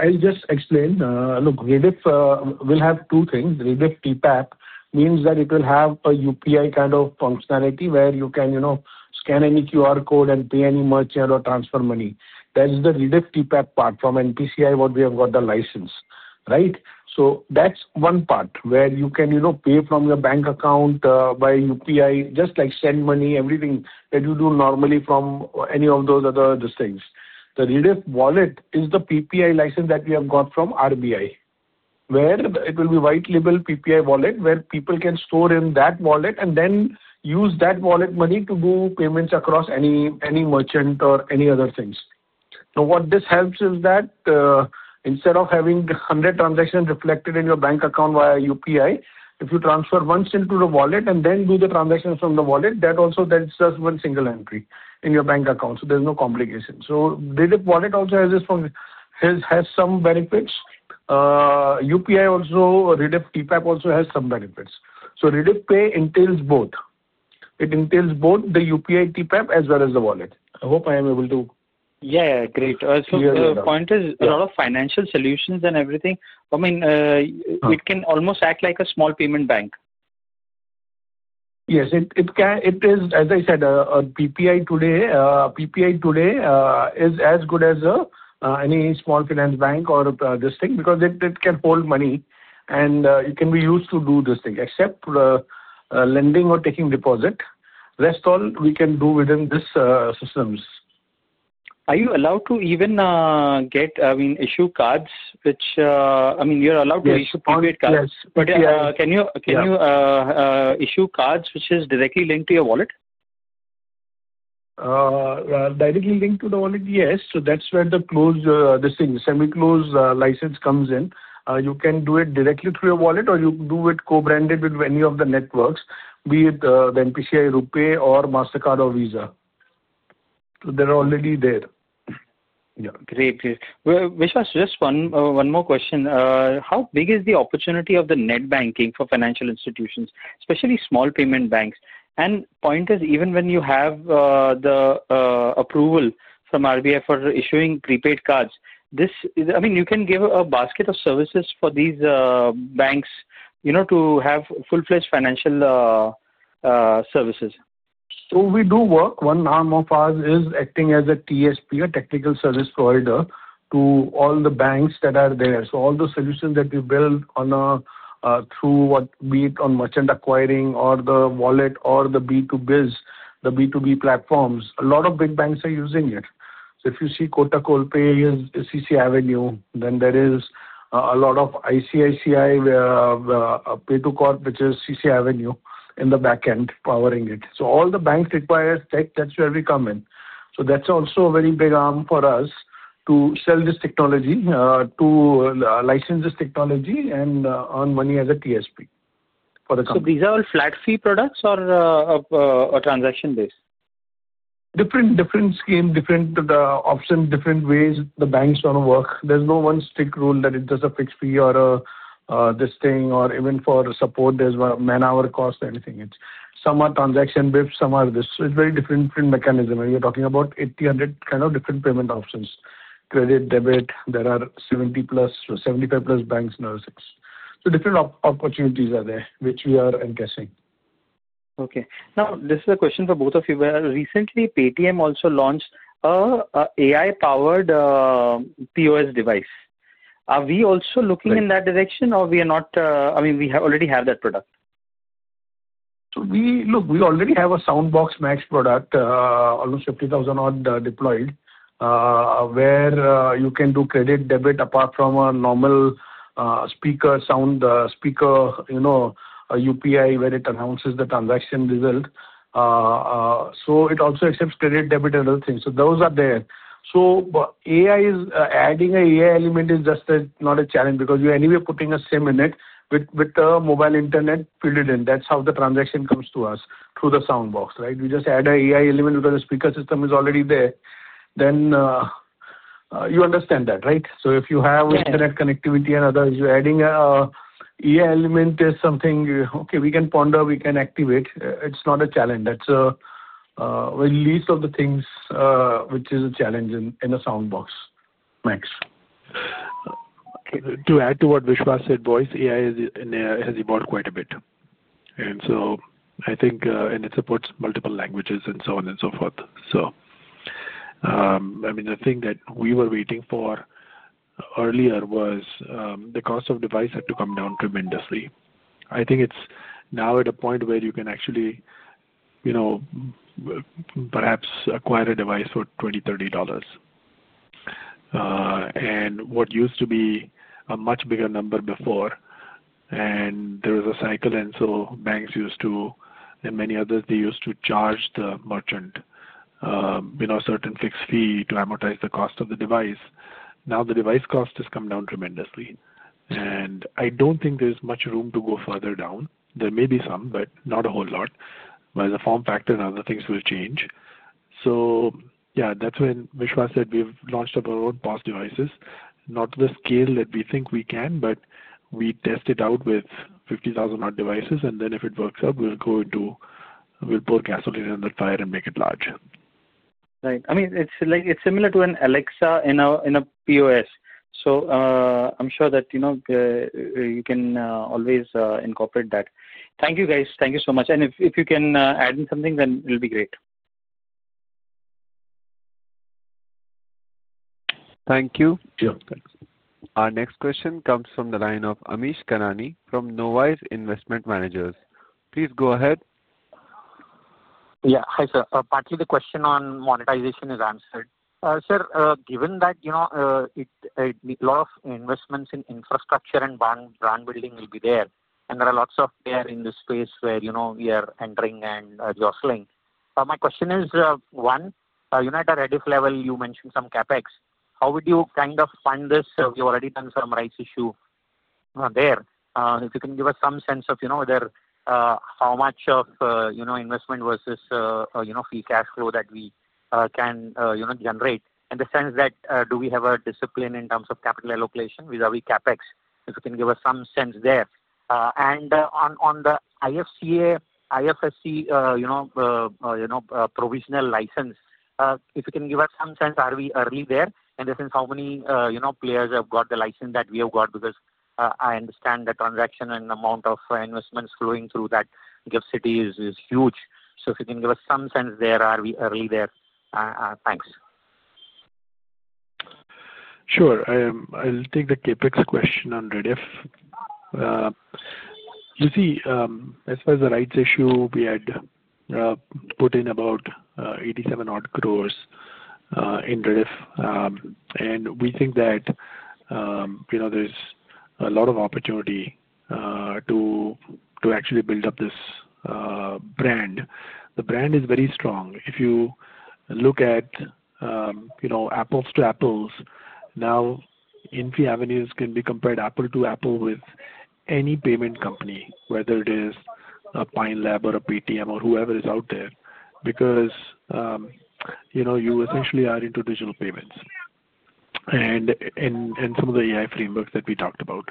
Speaker 4: I'll just explain. Look, Rediff will have two things. Rediff TPAP means that it will have a UPI kind of functionality where you can scan any QR code and pay any merchant or transfer money. That is the Rediff TPAP part. From NPCI, what we have got the license, right? That is one part where you can pay from your bank account by UPI, just like send money, everything that you do normally from any of those other things. The Rediff wallet is the PPI license that we have got from RBI, where it will be white-label PPI wallet where people can store in that wallet and then use that wallet money to do payments across any merchant or any other things. Now, what this helps is that instead of having 100 transactions reflected in your bank account via UPI, if you transfer once into the wallet and then do the transactions from the wallet, that also does one single entry in your bank account. There is no complication. Rediff wallet also has some benefits. UPI also, Rediff TPAP also has some benefits. RediffPay entails both. It entails both the UPI TPAP as well as the wallet. I hope I am able to.
Speaker 9: Yeah. Great. So the point is a lot of financial solutions and everything. I mean, it can almost act like a small payment bank.
Speaker 4: Yes. It is, as I said, PPI today is as good as any small finance bank or this thing because it can hold money, and it can be used to do this thing, except lending or taking deposit. Rest all we can do within these systems.
Speaker 9: Are you allowed to even get, I mean, issue cards, which I mean, you're allowed to issue PPI cards?
Speaker 4: Yes.
Speaker 9: Can you issue cards which are directly linked to your wallet?
Speaker 3: Directly linked to the wallet, yes. That is where the close, this thing, semi-close license comes in. You can do it directly through your wallet, or you do it co-branded with any of the networks, be it the NPCI, RuPay, or MasterCard or Visa. They are already there.
Speaker 9: Great. Vishal, just one more question. How big is the opportunity of the net banking for financial institutions, especially small payment banks? The point is, even when you have the approval from RBI for issuing prepaid cards, I mean, you can give a basket of services for these banks to have full-fledged financial services.
Speaker 4: We do work. One arm of ours is acting as a TSP, a technical service provider, to all the banks that are there. All the solutions that we build, be it on merchant acquiring or the wallet or the B2B platforms, a lot of big banks are using it. If you see Kotak Pay is CCAvenue, then there is a lot of ICICI Pay too, which is CCAvenue in the backend powering it. All the banks require tech. That is where we come in. That is also a very big arm for us to sell this technology, to license this technology, and earn money as a TSP for the company.
Speaker 9: Are these all flat fee products or transaction-based?
Speaker 4: Different schemes, different options, different ways the banks want to work. There's no one strict rule that it does a fixed fee or this thing, or even for support, there's man-hour cost or anything. Some are transaction-based, some are this. It is very different, different mechanism. You're talking about 80-100 kind of different payment options, credit, debit. There are 70 plus, 75 plus banks nowadays. Different opportunities are there, which we are encasing.
Speaker 9: Okay. Now, this is a question for both of you. Recently, Paytm also launched an AI-powered POS device. Are we also looking in that direction, or we are not? I mean, we already have that product.
Speaker 4: Look, we already have a Soundbox Max product, almost 50,000 odd deployed, where you can do credit, debit, apart from a normal speaker sound, speaker UPI, where it announces the transaction result. It also accepts credit, debit, and other things. Those are there. Adding an AI element is just not a challenge because you're anyway putting a SIM in it with a mobile internet filled in. That's how the transaction comes to us through the Soundbox, right? We just add an AI element because the speaker system is already there. You understand that, right? If you have internet connectivity and others, adding an AI element is something, okay, we can ponder, we can activate. It's not a challenge. That's the least of the things which is a challenge in a Soundbox Max.
Speaker 3: To add to what Vishwas said, boys, AI has evolved quite a bit. I think it supports multiple languages and so on and so forth. I mean, the thing that we were waiting for earlier was the cost of device had to come down tremendously. I think it's now at a point where you can actually perhaps acquire a device for $20, $30. What used to be a much bigger number before, and there was a cycle, and banks used to, and many others, they used to charge the merchant a certain fixed fee to amortize the cost of the device. Now the device cost has come down tremendously. I don't think there's much room to go further down. There may be some, but not a whole lot. Whereas the form factor and other things will change. Yeah, that's when Vishwas said we've launched our own POS devices, not to the scale that we think we can, but we test it out with 50,000 odd devices. And then if it works out, we'll go into, we'll pour gasoline on the fire and make it large.
Speaker 9: Right. I mean, it's similar to an Alexa in a POS. I am sure that you can always incorporate that. Thank you, guys. Thank you so much. If you can add in something, then it'll be great.
Speaker 1: Thank you. Our next question comes from the line of Amish Kanani from Knowise Investment Managers. Please go ahead.
Speaker 10: Yeah. Hi, sir. Partly the question on monetization is answered. Sir, given that a lot of investments in infrastructure and brand building will be there, and there are lots of players in this space where we are entering and jostling, my question is, one, you know at a Rediff level, you mentioned some CapEx. How would you kind of fund this? We've already done some rights issue there. If you can give us some sense of how much of investment versus free cash flow that we can generate in the sense that do we have a discipline in terms of capital allocation? Are we CapEx? If you can give us some sense there. On the IFSC provisional license, if you can give us some sense, are we early there? In the sense, how many players have got the license that we have got? Because I understand the transaction and amount of investments flowing through that GIFT City is huge. If you can give us some sense there, are we early there? Thanks.
Speaker 3: Sure. I'll take the CapEx question on Rediff. You see, as far as the rights issue, we had put in about 870 million in Rediff. And we think that there's a lot of opportunity to actually build up this brand. The brand is very strong. If you look at apples to apples, now, NPCI Avenues can be compared to apple to apple with any payment company, whether it is a Pine Labs or a Paytm or whoever is out there, because you essentially are into digital payments and some of the AI frameworks that we talked about.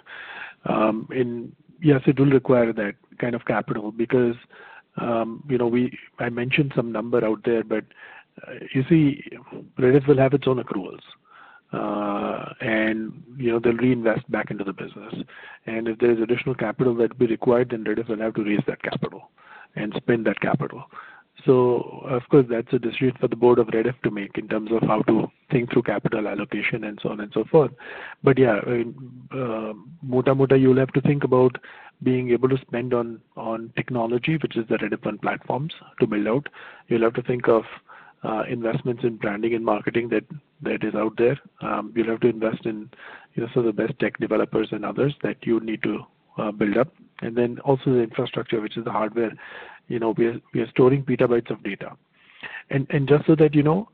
Speaker 3: Yes, it will require that kind of capital because I mentioned some number out there, but you see, Rediff will have its own accruals, and they'll reinvest back into the business. If there's additional capital that will be required, then Rediff will have to raise that capital and spend that capital. Of course, that's a decision for the board of Rediff.com to make in terms of how to think through capital allocation and so on and so forth. Yeah, I mean, mota mota, you'll have to think about being able to spend on technology, which is the Rediff One platforms to build out. You'll have to think of investments in branding and marketing that is out there. You'll have to invest in some of the best tech developers and others that you need to build up. Also the infrastructure, which is the hardware. We are storing petabytes of data. Just so that you know,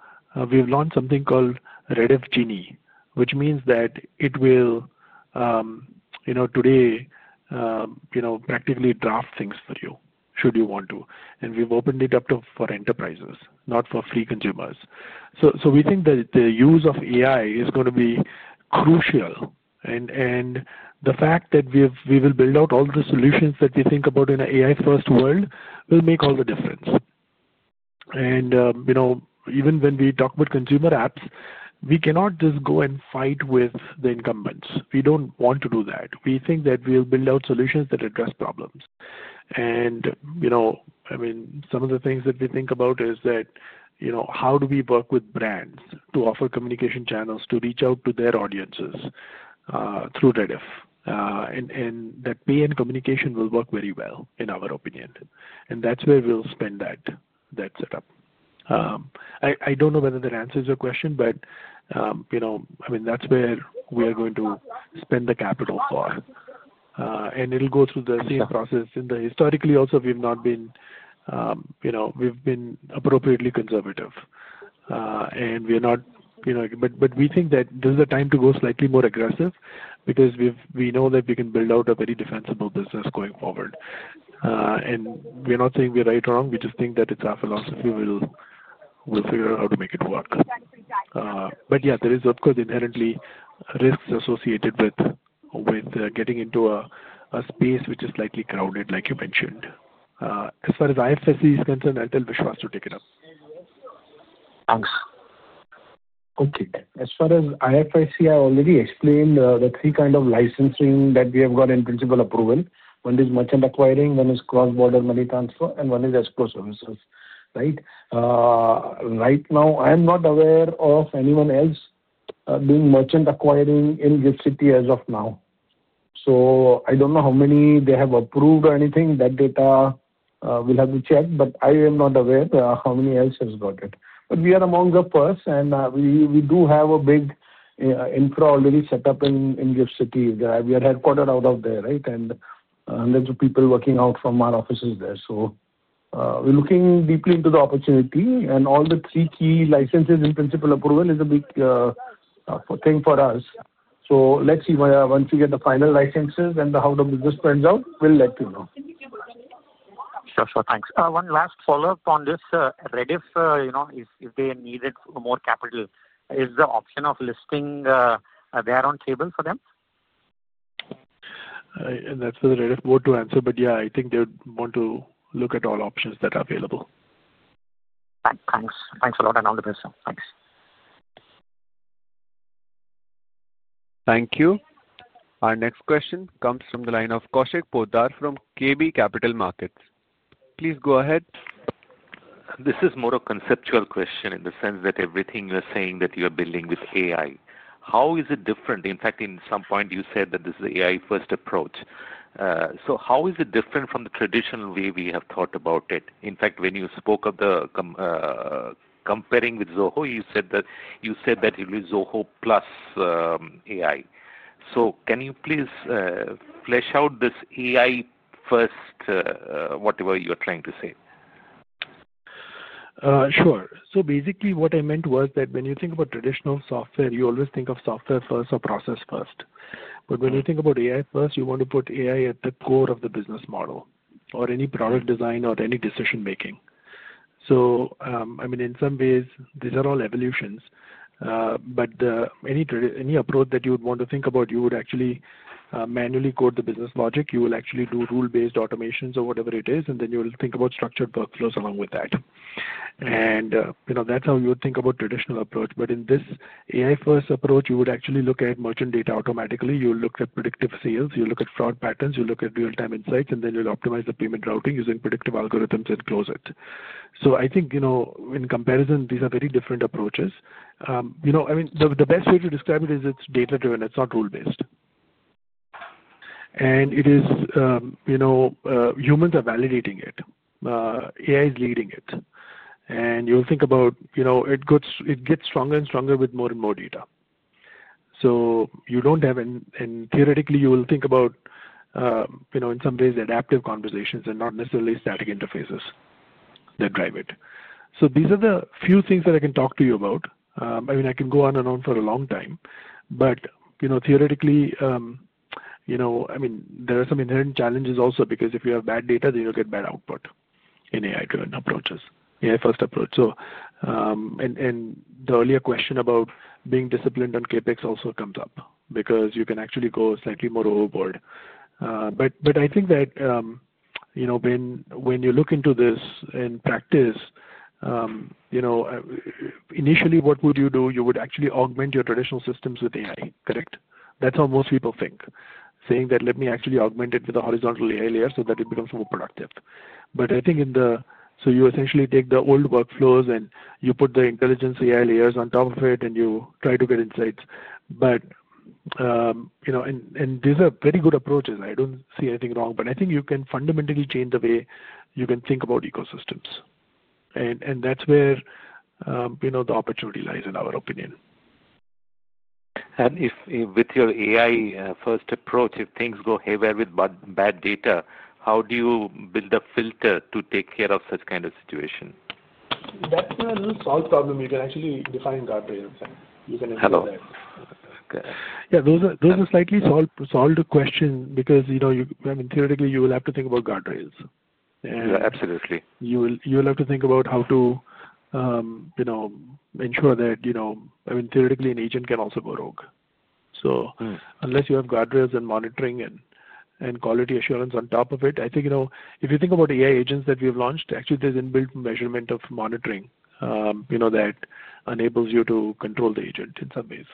Speaker 3: we've launched something called Rediff Genie, which means that it will, today, practically draft things for you should you want to. We've opened it up for enterprises, not for free consumers. We think that the use of AI is going to be crucial. The fact that we will build out all the solutions that we think about in an AI-first world will make all the difference. Even when we talk about consumer apps, we cannot just go and fight with the incumbents. We do not want to do that. We think that we will build out solutions that address problems. I mean, some of the things that we think about is that how do we work with brands to offer communication channels to reach out to their audiences through Rediff? That pay and communication will work very well, in our opinion. That is where we will spend that setup. I do not know whether that answers your question, but I mean, that is where we are going to spend the capital for. It will go through the same process. Historically, also, we've not been, we've been appropriately conservative. We're not, but we think that this is a time to go slightly more aggressive because we know that we can build out a very defensible business going forward. We're not saying we're right or wrong. We just think that it's our philosophy. We'll figure out how to make it work. Yeah, there is, of course, inherently risks associated with getting into a space which is slightly crowded, like you mentioned. As far as IFSC is concerned, I'll tell Vishwas to take it up.
Speaker 4: Thanks. Okay. As far as IFSC, I already explained the three kinds of licensing that we have got in principal approval. One is merchant acquiring, one is cross-border money transfer, and one is escrow services, right? Right now, I am not aware of anyone else doing merchant acquiring in GIFT City as of now. I do not know how many they have approved or anything. That data will have to check, but I am not aware how many else have got it. We are among the first, and we do have a big infra already set up in GIFT City. We are headquartered out of there, right? And hundreds of people working out from our offices there. We are looking deeply into the opportunity, and all the three key licenses in principal approval is a big thing for us. Let's see once we get the final licenses and how the business turns out, we'll let you know.
Speaker 10: Sure, sure. Thanks. One last follow-up on this. Rediff, if they needed more capital, is the option of listing there on table for them?
Speaker 3: That's for the Rediff.com board to answer, but yeah, I think they would want to look at all options that are available.
Speaker 10: Thanks. Thanks a lot. On the best side, thanks.
Speaker 1: Thank you. Our next question comes from the line of Kaushik Poddar from KB Capital Markets. Please go ahead.
Speaker 11: This is more a conceptual question in the sense that everything you're saying that you are building with AI. How is it different? In fact, at some point, you said that this is AI-first approach. How is it different from the traditional way we have thought about it? In fact, when you spoke of the comparing with Zoho, you said that it was Zoho-plus AI. Can you please flesh out this AI-first, whatever you're trying to say?
Speaker 3: Sure. So basically, what I meant was that when you think about traditional software, you always think of software first or process first. But when you think about AI-first, you want to put AI at the core of the business model or any product design or any decision-making. I mean, in some ways, these are all evolutions. But any approach that you would want to think about, you would actually manually code the business logic. You will actually do rule-based automations or whatever it is, and then you will think about structured workflows along with that. That is how you would think about traditional approach. But in this AI-first approach, you would actually look at merchant data automatically. You'll look at predictive sales. You'll look at fraud patterns. You'll look at real-time insights, and then you'll optimize the payment routing using predictive algorithms and close it. I think in comparison, these are very different approaches. I mean, the best way to describe it is it's data-driven. It's not rule-based. And it is humans are validating it. AI is leading it. You'll think about it gets stronger and stronger with more and more data. You don't have any, theoretically, you will think about, in some ways, adaptive conversations and not necessarily static interfaces that drive it. These are the few things that I can talk to you about. I mean, I can go on and on for a long time. Theoretically, I mean, there are some inherent challenges also because if you have bad data, then you'll get bad output in AI-driven approaches, AI-first approach. The earlier question about being disciplined on CapEx also comes up because you can actually go slightly more overboard. I think that when you look into this in practice, initially, what would you do? You would actually augment your traditional systems with AI, correct? That's how most people think, saying that, "Let me actually augment it with a horizontal AI layer so that it becomes more productive." I think you essentially take the old workflows and you put the intelligence AI layers on top of it and you try to get insights. These are very good approaches. I don't see anything wrong. I think you can fundamentally change the way you can think about ecosystems. That's where the opportunity lies, in our opinion.
Speaker 11: With your AI-first approach, if things go haywire with bad data, how do you build a filter to take care of such kind of situation?
Speaker 4: That's a little solved problem. You can actually define guardrails. You can implement that.
Speaker 3: Yeah. Those are slightly solved questions because, I mean, theoretically, you will have to think about guardrails.
Speaker 11: Absolutely.
Speaker 3: You will have to think about how to ensure that, I mean, theoretically, an agent can also go rogue. Unless you have guardrails and monitoring and quality assurance on top of it, I think if you think about AI agents that we've launched, actually, there's inbuilt measurement of monitoring that enables you to control the agent in some ways.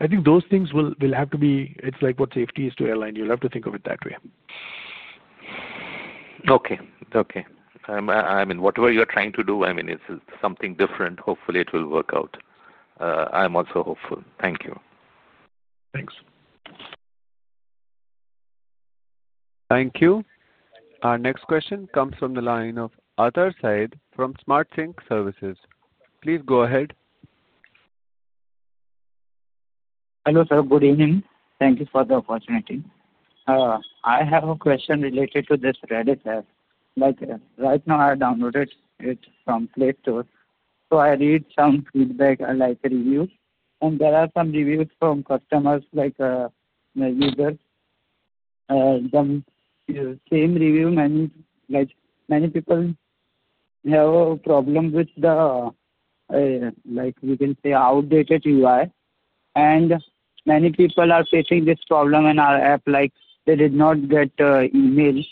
Speaker 3: I think those things will have to be, it's like what safety is to airline. You'll have to think of it that way.
Speaker 11: Okay. Okay. I mean, whatever you're trying to do, I mean, it's something different. Hopefully, it will work out. I'm also hopeful. Thank you.
Speaker 3: Thanks.
Speaker 1: Thank you. Our next question comes from the line of Athar Syed from Smart Sync Services. Please go ahead.
Speaker 12: Hello, sir. Good evening. Thank you for the opportunity. I have a question related to this Rediff app. Right now, I downloaded it from Play Store. I read some feedback, like reviews. There are some reviews from customers, like my users. Same review, many people have a problem with the, we can say, outdated UI. Many people are facing this problem in our app. They did not get emails.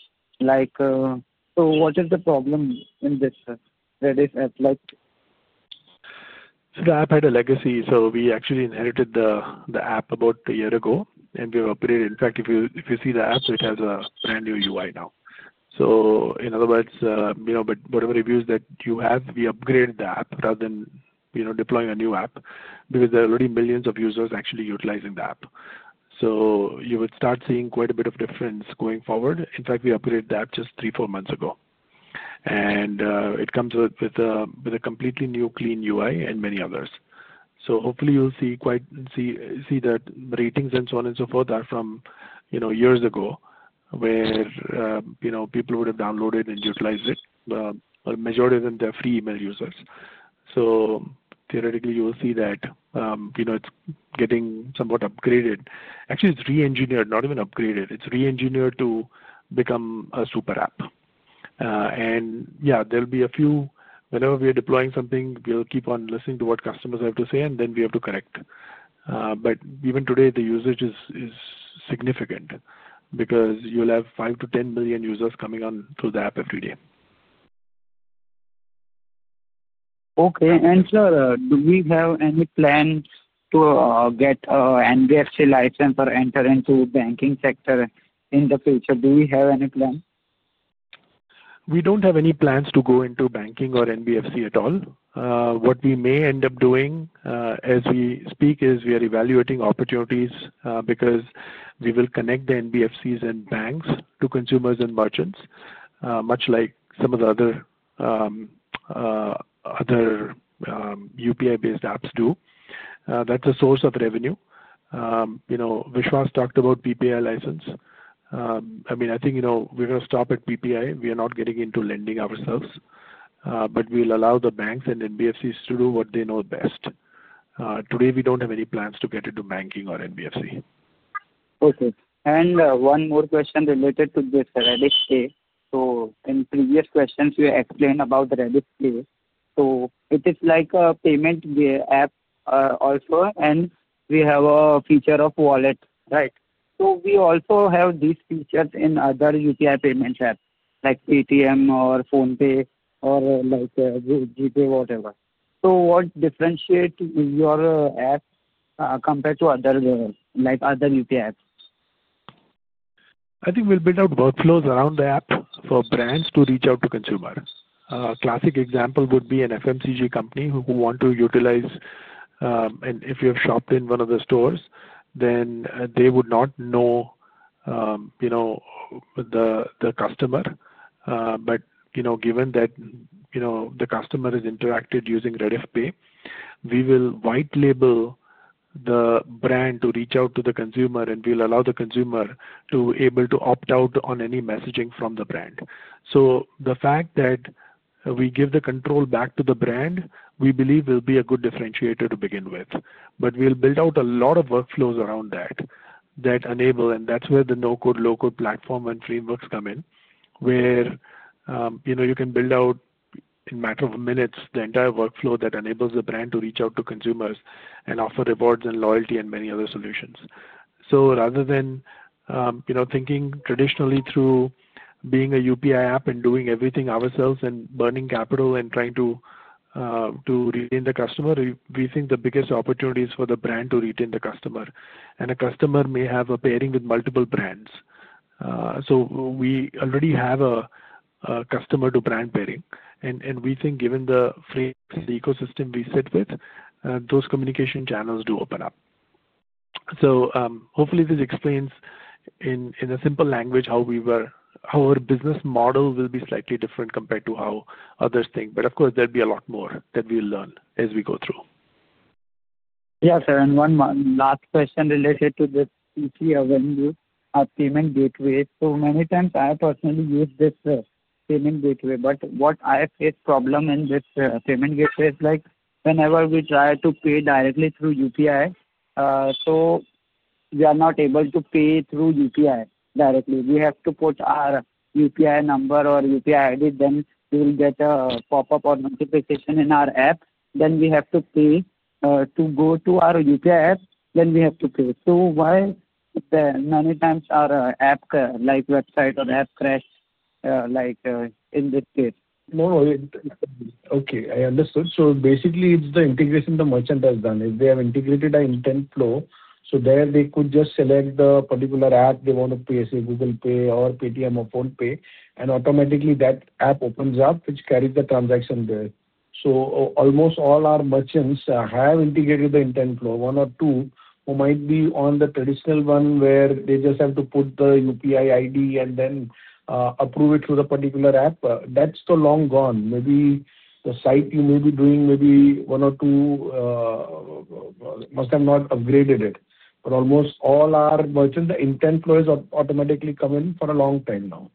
Speaker 12: What is the problem in this Rediff app?
Speaker 3: The app had a legacy. So we actually inherited the app about a year ago, and we've upgraded. In fact, if you see the app, it has a brand new UI now. In other words, whatever reviews that you have, we upgraded the app rather than deploying a new app because there are already millions of users actually utilizing the app. You would start seeing quite a bit of difference going forward. In fact, we upgraded the app just three, four months ago. It comes with a completely new, clean UI and many others. Hopefully, you'll see that ratings and so on and so forth are from years ago where people would have downloaded and utilized it. The majority of them, they're free email users. Theoretically, you will see that it's getting somewhat upgraded. Actually, it's re-engineered, not even upgraded. It's re-engineered to become a super app. Yeah, there'll be a few whenever we are deploying something, we'll keep on listening to what customers have to say, and then we have to correct. Even today, the usage is significant because you'll have 5-10 million users coming on through the app every day.
Speaker 12: Okay. Sir, do we have any plans to get an NBFC license or enter into banking sector in the future? Do we have any plan?
Speaker 3: We do not have any plans to go into banking or NBFC at all. What we may end up doing as we speak is we are evaluating opportunities because we will connect the NBFCs and banks to consumers and merchants, much like some of the other UPI-based apps do. That is a source of revenue. Vishwas talked about PPI license. I mean, I think we are going to stop at PPI. We are not getting into lending ourselves. I mean, we will allow the banks and NBFCs to do what they know best. Today, we do not have any plans to get into banking or NBFC.
Speaker 12: Okay. And one more question related to this Rediff case. In previous questions, you explained about the Rediff case. It is like a payment app also, and we have a feature of wallet, right? We also have these features in other UPI payments apps, like Paytm or PhonePe or GPay, whatever. What differentiates your app compared to other UPI apps?
Speaker 3: I think we'll build out workflows around the app for brands to reach out to consumers. A classic example would be an FMCG company who want to utilize. And if you have shopped in one of the stores, then they would not know the customer. But given that the customer has interacted using RediffPay, we will white-label the brand to reach out to the consumer, and we'll allow the consumer to be able to opt out on any messaging from the brand. The fact that we give the control back to the brand, we believe, will be a good differentiator to begin with. We'll build out a lot of workflows around that that enable, and that's where the no-code, low-code platform and frameworks come in, where you can build out, in a matter of minutes, the entire workflow that enables the brand to reach out to consumers and offer rewards and loyalty and many other solutions. Rather than thinking traditionally through being a UPI app and doing everything ourselves and burning capital and trying to retain the customer, we think the biggest opportunity is for the brand to retain the customer. A customer may have a pairing with multiple brands. We already have a customer-to-brand pairing. We think, given the framework and the ecosystem we sit with, those communication channels do open up. Hopefully, this explains in a simple language how our business model will be slightly different compared to how others think. Of course, there'll be a lot more that we'll learn as we go through.
Speaker 12: Yeah, sir. One last question related to this CCAvenue payment gateway. Many times, I personally use this payment gateway. What I face problem in this payment gateway is whenever we try to pay directly through UPI, we are not able to pay through UPI directly. We have to put our UPI number or UPI ID. Then we get a pop-up or notification in our app. We have to go to our UPI app. Then we have to pay. Why many times our app, like website or app, crash in this case?
Speaker 3: No. Okay. I understood. Basically, it's the integration the merchant has done. If they have integrated an intent flow, they could just select the particular app they want to pay, say, Google Pay or Paytm or PhonePe, and automatically that app opens up, which carries the transaction there. Almost all our merchants have integrated the intent flow. One or two who might be on the traditional one where they just have to put the UPI ID and then approve it through the particular app, that's long gone. Maybe the site you may be doing, maybe one or two must have not upgraded it. Almost all our merchants, the intent flows automatically come in for a long time now.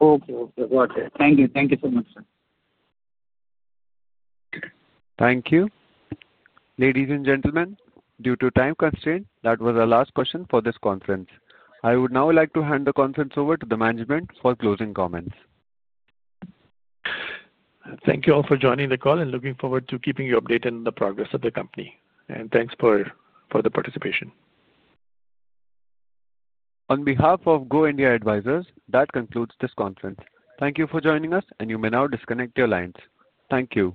Speaker 12: Okay. Okay. Got it. Thank you. Thank you so much, sir.
Speaker 1: Thank you. Ladies and gentlemen, due to time constraint, that was our last question for this conference. I would now like to hand the conference over to the management for closing comments.
Speaker 3: Thank you all for joining the call and looking forward to keeping you updated on the progress of the company. Thanks for the participation.
Speaker 1: On behalf of Go India Advisors, that concludes this conference. Thank you for joining us, and you may now disconnect your lines. Thank you.